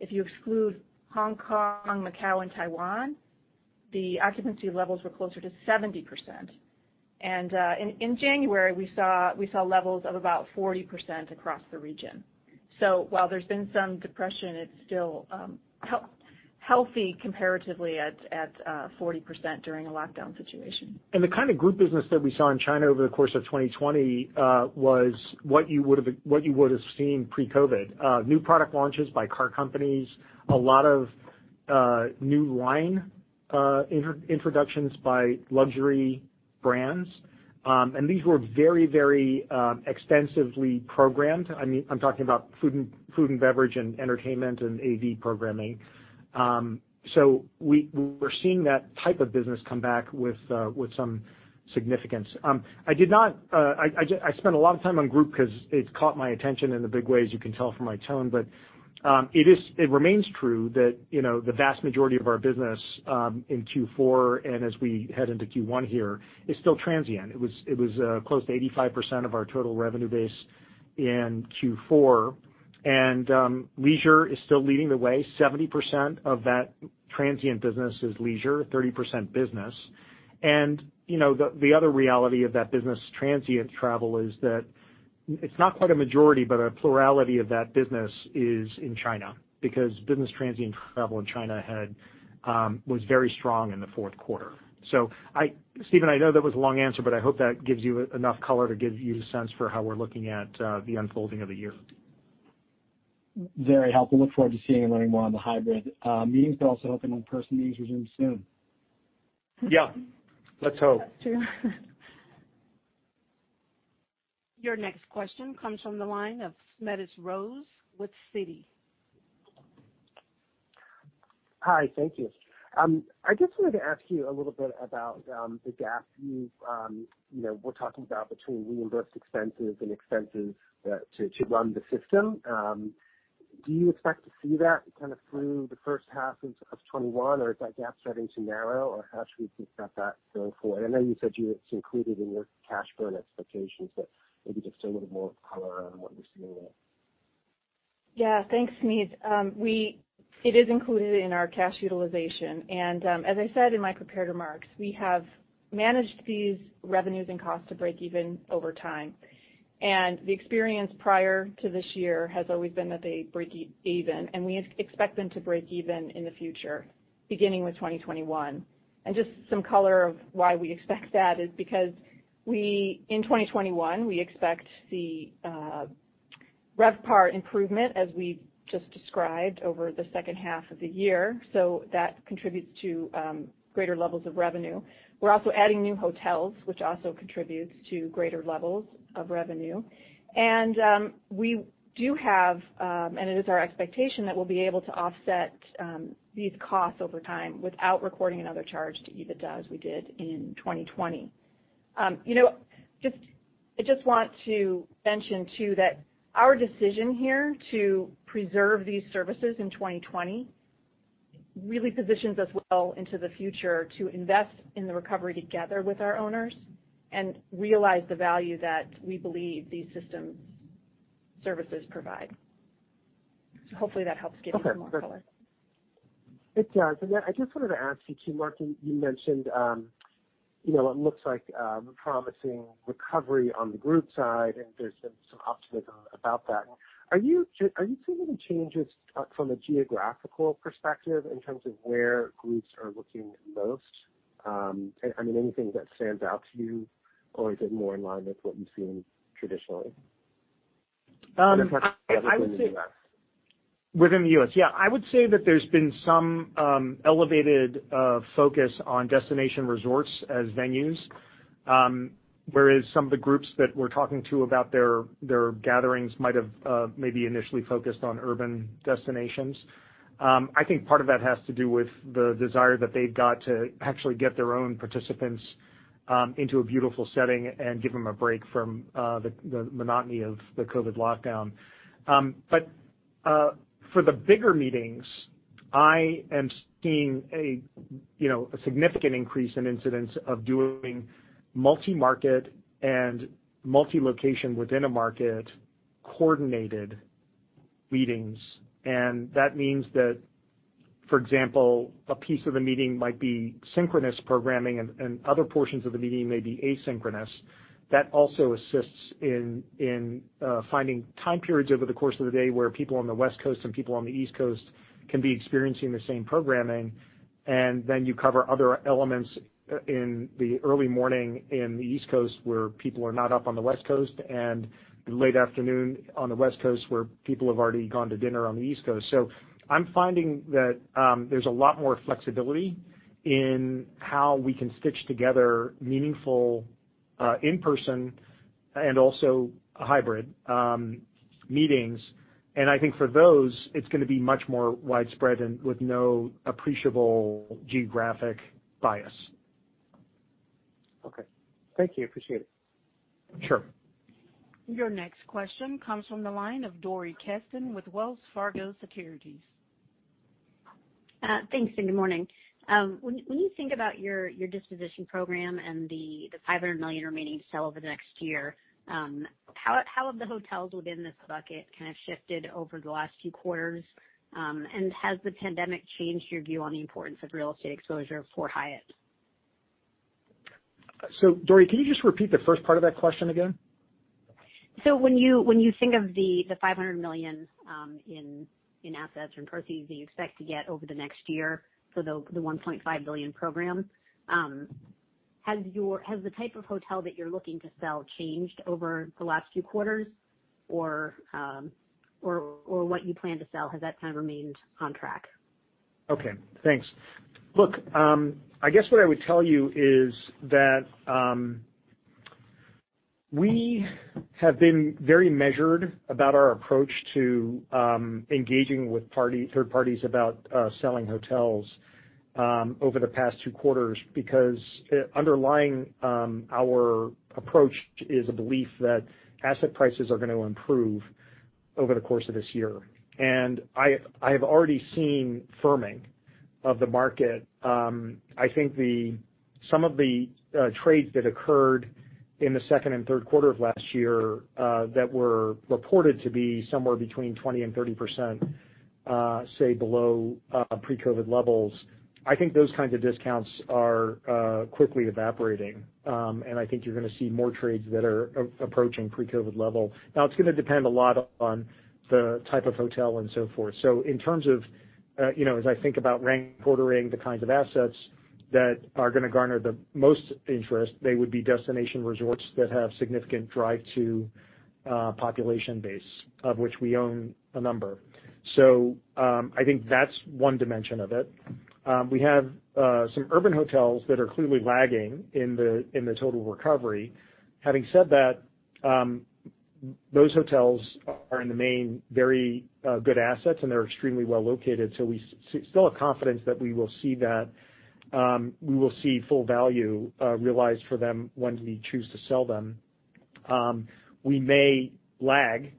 If you exclude Hong Kong, Macau, and Taiwan, the occupancy levels were closer to 70%. In January, we saw levels of about 40% across the region. While there has been some depression, it is still healthy comparatively at 40% during a lockdown situation. The kind of group business that we saw in China over the course of 2020 was what you would have seen pre-COVID: new product launches by car companies, a lot of new line introductions by luxury brands. These were very, very extensively programmed. I mean, I'm talking about food and beverage and entertainment and AV programming. We were seeing that type of business come back with some significance. I spent a lot of time on group because it caught my attention in big ways. You can tell from my tone. It remains true that the vast majority of our business in Q4 and as we head into Q1 here is still transient. It was close to 85% of our total revenue base in Q4. Leisure is still leading the way. 70% of that transient business is leisure, 30% business. The other reality of that business transient travel is that it is not quite a majority, but a plurality of that business is in China because business transient travel in China was very strong in the fourth quarter. Stephen, I know that was a long answer, but I hope that gives you enough color to give you a sense for how we are looking at the unfolding of the year. Very helpful. Look forward to seeing and learning more on the hybrid meetings, but also hoping in-person meetings resume soon. Yeah. Let's hope. That's true. Your next question comes from the line of Smedes Rose with Citi. Hi. Thank you. I just wanted to ask you a little bit about the gap you were talking about between reimbursed expenses and expenses to run the system. Do you expect to see that kind of through the first half of 2021, or is that gap starting to narrow, or how should we expect that to go forward? I know you said it's included in your cash burn expectations, but maybe just a little more color on what you're seeing there. Yeah. Thanks, Smedes. It is included in our cash utilization. As I said in my prepared remarks, we have managed these revenues and costs to break even over time. The experience prior to this year has always been that they break even, and we expect them to break even in the future, beginning with 2021. Just some color of why we expect that is because in 2021, we expect the RevPAR improvement, as we just described, over the second half of the year. That contributes to greater levels of revenue. We are also adding new hotels, which also contributes to greater levels of revenue. We do have, and it is our expectation, that we will be able to offset these costs over time without recording another charge to EBITDA as we did in 2020. I just want to mention, too, that our decision here to preserve these services in 2020 really positions us well into the future to invest in the recovery together with our owners and realize the value that we believe these systems' services provide. Hopefully, that helps give you a bit more color. It does. I just wanted to ask you, too, Martin, you mentioned it looks like a promising recovery on the group side, and there's been some optimism about that. Are you seeing any changes from a geographical perspective in terms of where groups are looking most? I mean, anything that stands out to you, or is it more in line with what you've seen traditionally? If there's anything in the U.S. Within the U.S., yeah. I would say that there's been some elevated focus on destination resorts as venues, whereas some of the groups that we're talking to about their gatherings might have maybe initially focused on urban destinations. I think part of that has to do with the desire that they've got to actually get their own participants into a beautiful setting and give them a break from the monotony of the COVID lockdown. For the bigger meetings, I am seeing a significant increase in incidents of doing multi-market and multi-location within a market coordinated meetings. That means that, for example, a piece of the meeting might be synchronous programming, and other portions of the meeting may be asynchronous. That also assists in finding time periods over the course of the day where people on the West Coast and people on the East Coast can be experiencing the same programming. You cover other elements in the early morning in the East Coast where people are not up on the West Coast and the late afternoon on the West Coast where people have already gone to dinner on the East Coast. I am finding that there is a lot more flexibility in how we can stitch together meaningful in-person and also hybrid meetings. I think for those, it is going to be much more widespread and with no appreciable geographic bias. Okay. Thank you. Appreciate it. Sure. Your next question comes from the line of Dori Kesten with Wells Fargo Securities. Thanks. Good morning. When you think about your disposition program and the $500 million remaining to sell over the next year, how have the hotels within this bucket kind of shifted over the last few quarters? Has the pandemic changed your view on the importance of real estate exposure for Hyatt? Dori, can you just repeat the first part of that question again? When you think of the $500 million in assets or in proceeds that you expect to get over the next year for the $1.5 billion program, has the type of hotel that you're looking to sell changed over the last few quarters, or what you plan to sell? Has that kind of remained on track? Okay. Thanks. Look, I guess what I would tell you is that we have been very measured about our approach to engaging with third parties about selling hotels over the past two quarters because underlying our approach is a belief that asset prices are going to improve over the course of this year. I have already seen firming of the market. I think some of the trades that occurred in the second and third quarter of last year that were reported to be somewhere between 20% and 30%, say, below pre-COVID levels, I think those kinds of discounts are quickly evaporating. I think you are going to see more trades that are approaching pre-COVID level. Now, it is going to depend a lot on the type of hotel and so forth. In terms of, as I think about rank ordering the kinds of assets that are going to garner the most interest, they would be destination resorts that have significant drive-to population base, of which we own a number. I think that's one dimension of it. We have some urban hotels that are clearly lagging in the total recovery. Having said that, those hotels are in the main very good assets, and they're extremely well located. We still have confidence that we will see that. We will see full value realized for them when we choose to sell them. We may lag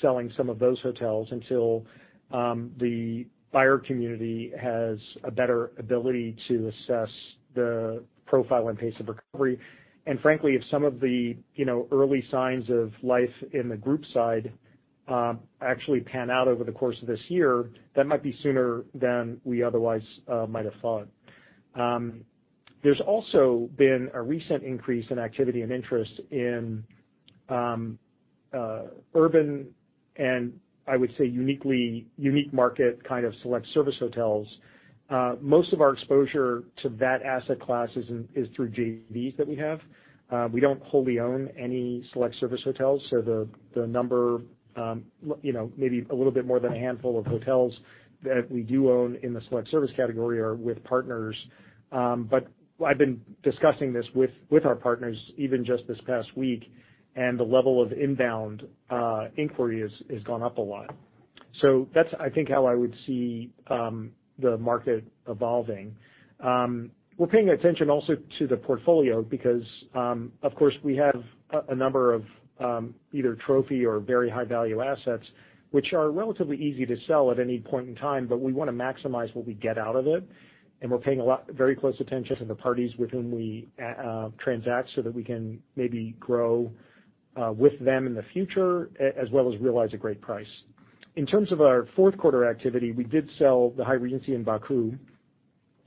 selling some of those hotels until the buyer community has a better ability to assess the profile and pace of recovery. Frankly, if some of the early signs of life in the group side actually pan out over the course of this year, that might be sooner than we otherwise might have thought. There has also been a recent increase in activity and interest in urban and, I would say, unique market kind of select service hotels. Most of our exposure to that asset class is through JVs that we have. We do not wholly own any select service hotels. The number, maybe a little bit more than a handful of hotels that we do own in the select service category, are with partners. I have been discussing this with our partners even just this past week, and the level of inbound inquiry has gone up a lot. That is, I think, how I would see the market evolving. We're paying attention also to the portfolio because, of course, we have a number of either trophy or very high-value assets, which are relatively easy to sell at any point in time, but we want to maximize what we get out of it. We're paying very close attention to the parties with whom we transact so that we can maybe grow with them in the future as well as realize a great price. In terms of our fourth quarter activity, we did sell the Hyatt Regency in Baku.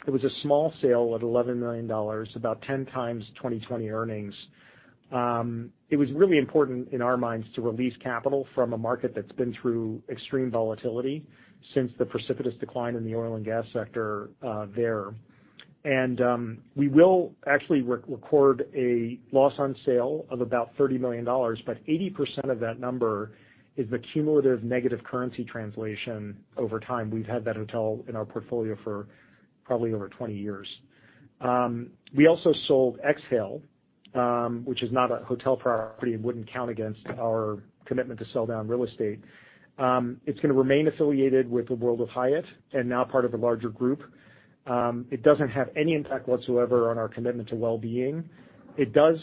It was a small sale at $11 million, about 10 times 2020 earnings. It was really important in our minds to release capital from a market that's been through extreme volatility since the precipitous decline in the oil and gas sector there. We will actually record a loss on sale of about $30 million, but 80% of that number is the cumulative negative currency translation over time. We've had that hotel in our portfolio for probably over 20 years. We also sold Exhale, which is not a hotel property and would not count against our commitment to sell down real estate. It's going to remain affiliated with the World of Hyatt and now part of a larger group. It does not have any impact whatsoever on our commitment to well-being. It does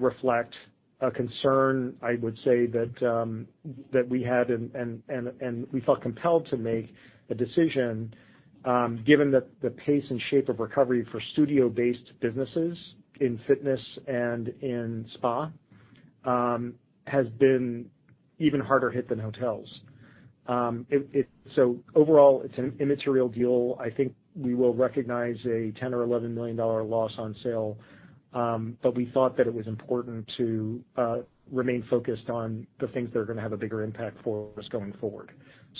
reflect a concern, I would say, that we had, and we felt compelled to make a decision given that the pace and shape of recovery for studio-based businesses in fitness and in spa has been even harder hit than hotels. Overall, it's an immaterial deal. I think we will recognize a $10 million or $11 million loss on sale, but we thought that it was important to remain focused on the things that are going to have a bigger impact for us going forward.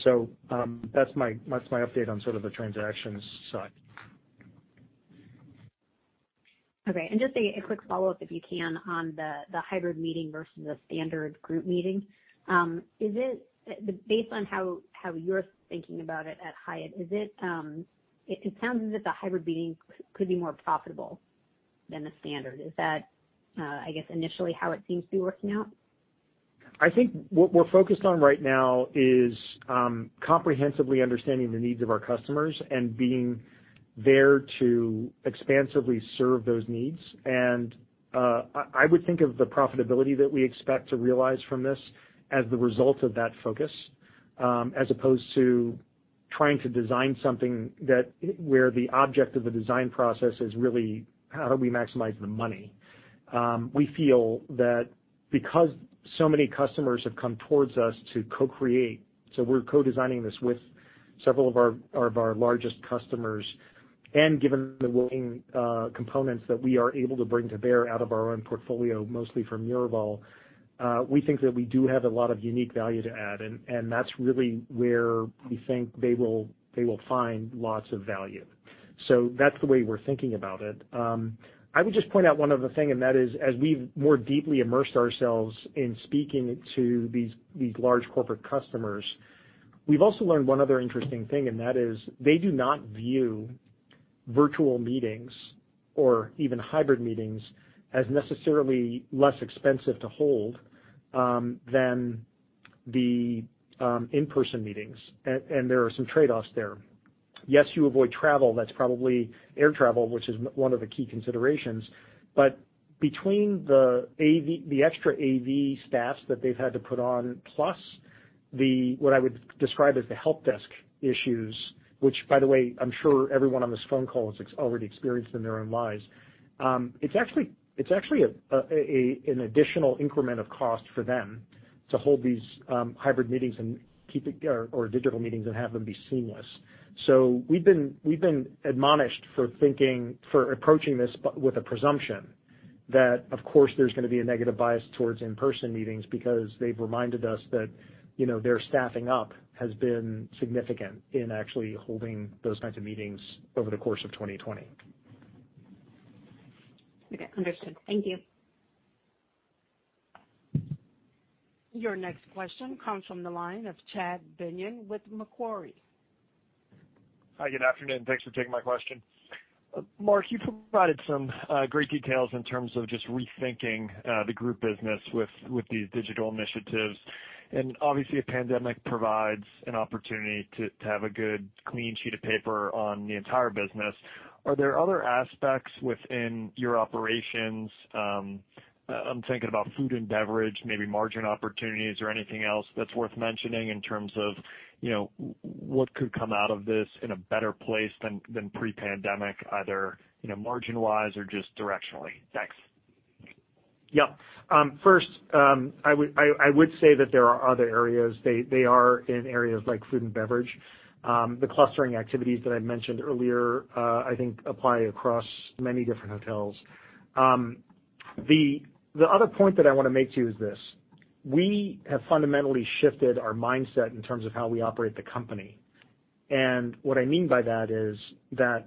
So that's my update on sort of the transaction side. Okay. And just a quick follow-up, if you can, on the hybrid meeting versus the standard group meeting. Based on how you're thinking about it at Hyatt, it sounds as if the hybrid meeting could be more profitable than the standard. Is that, I guess, initially how it seems to be working out? I think what we're focused on right now is comprehensively understanding the needs of our customers and being there to expansively serve those needs. I would think of the profitability that we expect to realize from this as the result of that focus, as opposed to trying to design something where the object of the design process is really, how do we maximize the money? We feel that because so many customers have come towards us to co-create, we're co-designing this with several of our largest customers. Given the willing components that we are able to bring to bear out of our own portfolio, mostly from Miraval, we think that we do have a lot of unique value to add. That's really where we think they will find lots of value. That's the way we're thinking about it. I would just point out one other thing, and that is, as we've more deeply immersed ourselves in speaking to these large corporate customers, we've also learned one other interesting thing, and that is they do not view virtual meetings or even hybrid meetings as necessarily less expensive to hold than the in-person meetings. There are some trade-offs there. Yes, you avoid travel. That's probably air travel, which is one of the key considerations. Between the extra AV staffs that they've had to put on, plus what I would describe as the help desk issues, which, by the way, I'm sure everyone on this phone call has already experienced in their own lives, it's actually an additional increment of cost for them to hold these hybrid meetings or digital meetings and have them be seamless. We've been admonished for approaching this with a presumption that, of course, there's going to be a negative bias towards in-person meetings because they've reminded us that their staffing up has been significant in actually holding those kinds of meetings over the course of 2020. Okay. Understood. Thank you. Your next question comes from the line of Chad Beynon with Macquarie. Hi. Good afternoon. Thanks for taking my question. Mark, you provided some great details in terms of just rethinking the group business with these digital initiatives. Obviously, a pandemic provides an opportunity to have a good clean sheet of paper on the entire business. Are there other aspects within your operations? I'm thinking about food and beverage, maybe margin opportunities or anything else that's worth mentioning in terms of what could come out of this in a better place than pre-pandemic, either margin-wise or just directionally? Thanks. Yeah. First, I would say that there are other areas. They are in areas like food and beverage. The clustering activities that I mentioned earlier, I think, apply across many different hotels. The other point that I want to make to you is this: we have fundamentally shifted our mindset in terms of how we operate the company. What I mean by that is that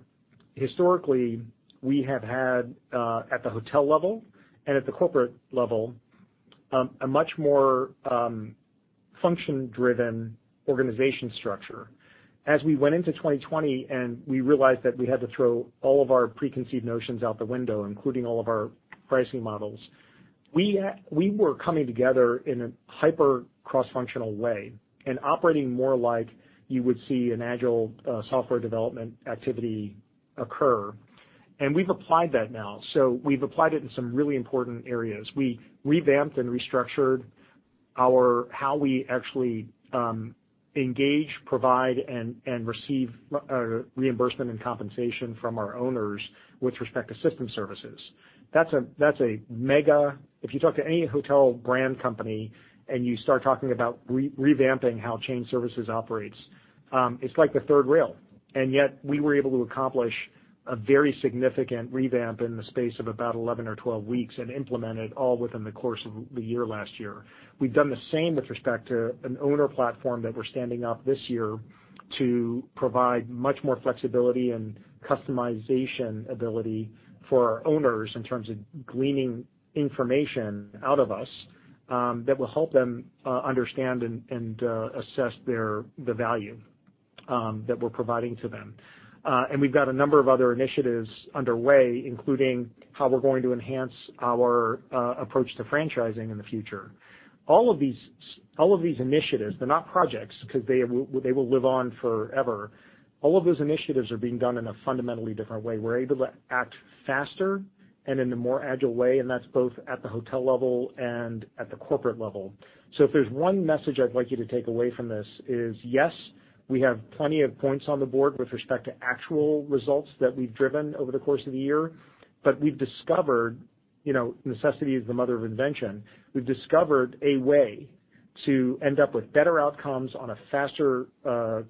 historically, we have had, at the hotel level and at the corporate level, a much more function-driven organization structure. As we went into 2020 and we realized that we had to throw all of our preconceived notions out the window, including all of our pricing models, we were coming together in a hyper cross-functional way and operating more like you would see an agile software development activity occur. We have applied that now. We have applied it in some really important areas. We revamped and restructured how we actually engage, provide, and receive reimbursement and compensation from our owners with respect to system services. That is a mega—if you talk to any hotel brand company and you start talking about revamping how chain services operates, it is like the third rail. Yet, we were able to accomplish a very significant revamp in the space of about 11 weeks or 12 weeks and implement it all within the course of the year last year. We have done the same with respect to an owner platform that we are standing up this year to provide much more flexibility and customization ability for our owners in terms of gleaning information out of us that will help them understand and assess the value that we are providing to them. We have a number of other initiatives underway, including how we are going to enhance our approach to franchising in the future. All of these initiatives, they're not projects because they will live on forever. All of those initiatives are being done in a fundamentally different way. We're able to act faster and in a more agile way, and that's both at the hotel level and at the corporate level. If there's one message I'd like you to take away from this is, yes, we have plenty of points on the board with respect to actual results that we've driven over the course of the year, but we've discovered necessity is the mother of invention. We've discovered a way to end up with better outcomes on a faster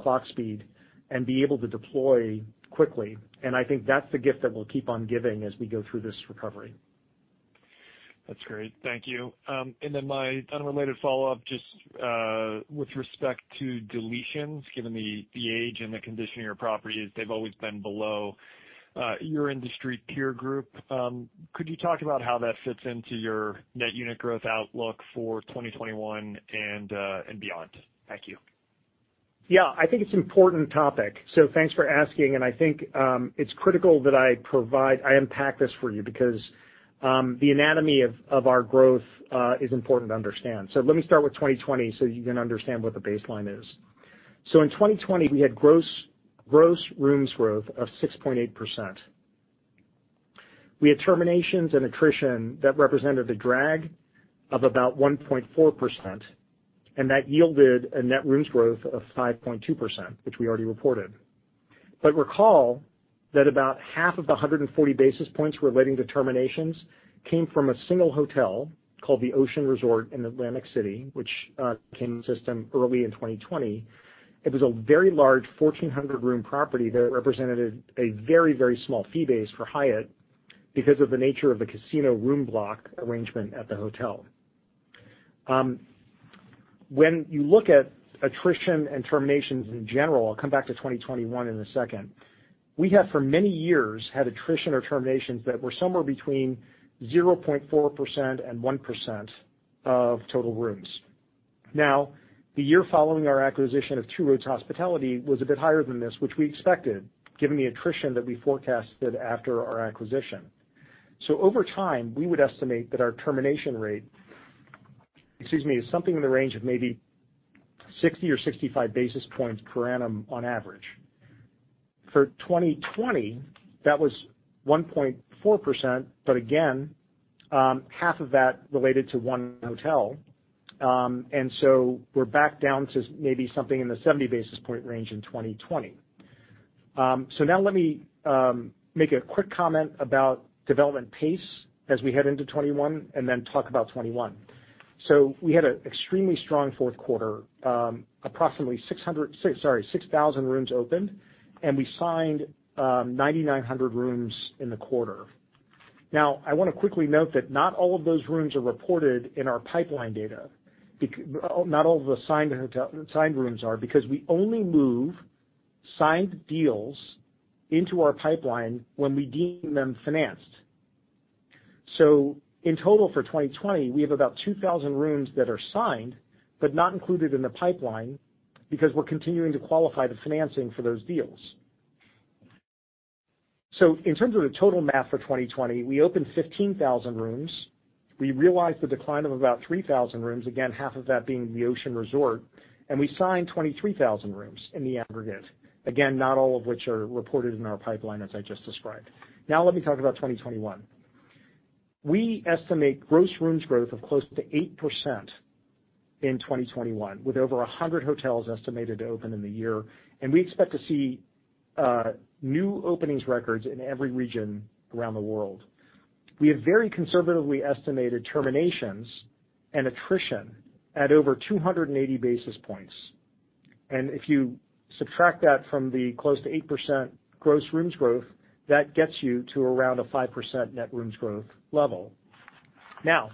clock speed and be able to deploy quickly. I think that's the gift that will keep on giving as we go through this recovery. That's great. Thank you. My unrelated follow-up just with respect to deletions, given the age and the condition of your properties, they've always been below your industry peer group. Could you talk about how that fits into your net unit growth outlook for 2021 and beyond? Thank you. Yeah. I think it's an important topic. Thanks for asking. I think it's critical that I impact this for you because the anatomy of our growth is important to understand. Let me start with 2020 so you can understand what the baseline is. In 2020, we had gross rooms growth of 6.8%. We had terminations and attrition that represented a drag of about 1.4%. That yielded a net rooms growth of 5.2%, which we already reported. Recall that about half of the 140 basis points relating to terminations came from a single hotel called the Ocean Resort in Atlantic City, which came into system early in 2020. It was a very large 1,400-room property that represented a very, very small fee base for Hyatt because of the nature of the casino room block arrangement at the hotel. When you look at attrition and terminations in general, I'll come back to 2021 in a second. We have, for many years, had attrition or terminations that were somewhere between 0.4% and 1% of total rooms. Now, the year following our acquisition of Two Roads Hospitality was a bit higher than this, which we expected given the attrition that we forecasted after our acquisition. Over time, we would estimate that our termination rate, excuse me, is something in the range of maybe 60 basis points or 65 basis points per annum on average. For 2020, that was 1.4%, but again, half of that related to one hotel. We are back down to maybe something in the 70 basis point range in 2020. Let me make a quick comment about development pace as we head into 2021 and then talk about 2021. We had an extremely strong fourth quarter, approximately 6,000 rooms opened, and we signed 9,900 rooms in the quarter. I want to quickly note that not all of those rooms are reported in our pipeline data. Not all of the signed rooms are because we only move signed deals into our pipeline when we deem them financed. In total, for 2020, we have about 2,000 rooms that are signed but not included in the pipeline because we're continuing to qualify the financing for those deals. In terms of the total math for 2020, we opened 15,000 rooms. We realized the decline of about 3,000 rooms, again, half of that being the Ocean Resort. We signed 23,000 rooms in the aggregate, again, not all of which are reported in our pipeline, as I just described. Let me talk about 2021. We estimate gross rooms growth of close to 8% in 2021, with over 100 hotels estimated to open in the year. We expect to see new openings records in every region around the world. We have very conservatively estimated terminations and attrition at over 280 basis points. If you subtract that from the close to 8% gross rooms growth, that gets you to around a 5% net rooms growth level. Now,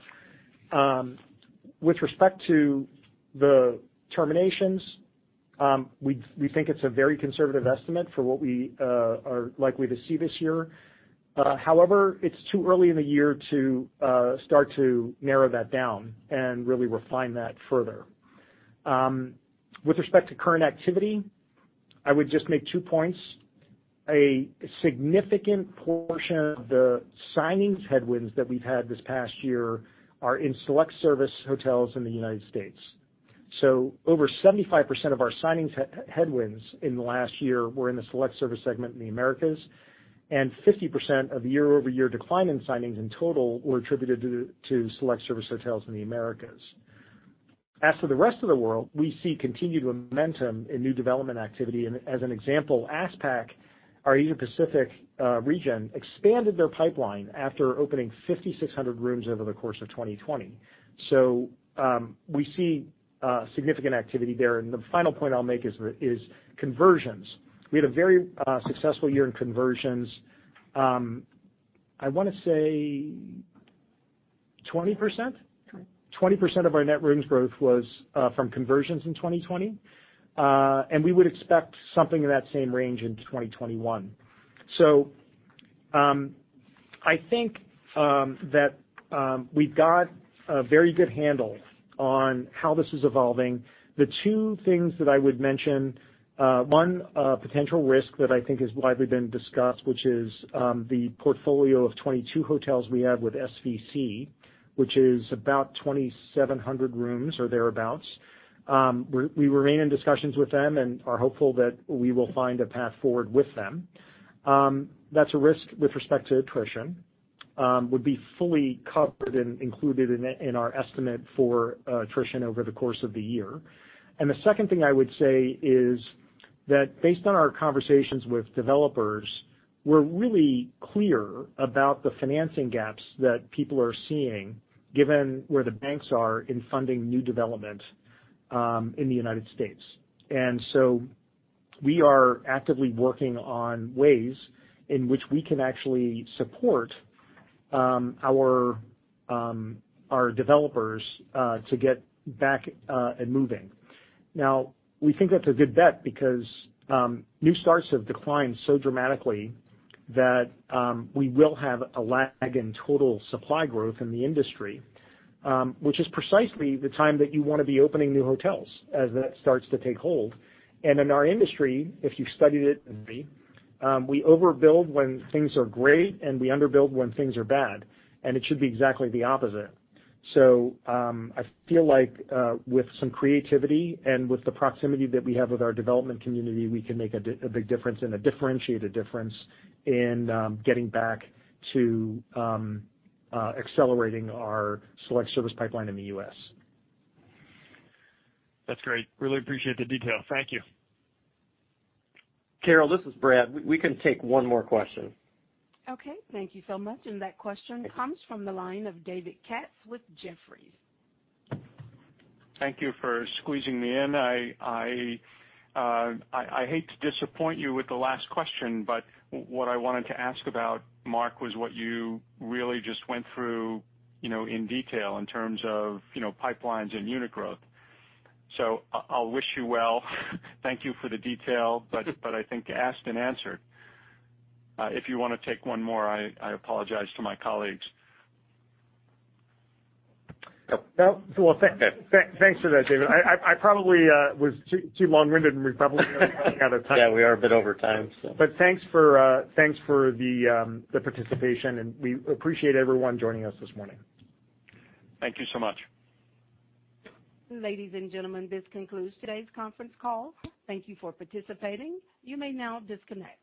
with respect to the terminations, we think it is a very conservative estimate for what we are likely to see this year. However, it is too early in the year to start to narrow that down and really refine that further. With respect to current activity, I would just make two points. A significant portion of the signings headwinds that we have had this past year are in select-service hotels in the United States. Over 75% of our signings headwinds in the last year were in the select-service segment in the Americas. 50% of the year-over-year decline in signings in total were attributed to select-service hotels in the Americas. As for the rest of the world, we see continued momentum in new development activity. As an example, ASPAC, our Asia-Pacific region, expanded their pipeline after opening 5,600 rooms over the course of 2020. We see significant activity there. The final point I'll make is conversions. We had a very successful year in conversions. I want to say 20%. 20% of our net rooms growth was from conversions in 2020. We would expect something in that same range in 2021. I think that we've got a very good handle on how this is evolving. The two things that I would mention, one potential risk that I think has widely been discussed, which is the portfolio of 22 hotels we have with SVC, which is about 2,700 rooms or thereabouts. We remain in discussions with them and are hopeful that we will find a path forward with them. That is a risk with respect to attrition. Would be fully covered and included in our estimate for attrition over the course of the year. The second thing I would say is that based on our conversations with developers, we are really clear about the financing gaps that people are seeing given where the banks are in funding new development in the United States. We are actively working on ways in which we can actually support our developers to get back and moving. Now, we think that's a good bet because new starts have declined so dramatically that we will have a lag in total supply growth in the industry, which is precisely the time that you want to be opening new hotels as that starts to take hold. In our industry, if you've studied it, we overbuild when things are great and we underbuild when things are bad. It should be exactly the opposite. I feel like with some creativity and with the proximity that we have with our development community, we can make a big difference and differentiate a difference in getting back to accelerating our select-service pipeline in the U.S. That's great. Really appreciate the detail. Thank you. Carol, this is Brad. We can take one more question. Okay. Thank you so much. That question comes from the line of David Katz with Jefferies. Thank you for squeezing me in. I hate to disappoint you with the last question, but what I wanted to ask about, Mark, was what you really just went through in detail in terms of pipelines and unit growth. I will wish you well. Thank you for the detail, but I think asked and answered. If you want to take one more, I apologize to my colleagues. Thanks for that, David. I probably was too long-winded and we probably are running out of time. Yeah, we are a bit over time, so. Thanks for the participation. We appreciate everyone joining us this morning. Thank you so much. Ladies and gentlemen, this concludes today's conference call. Thank you for participating. You may now disconnect.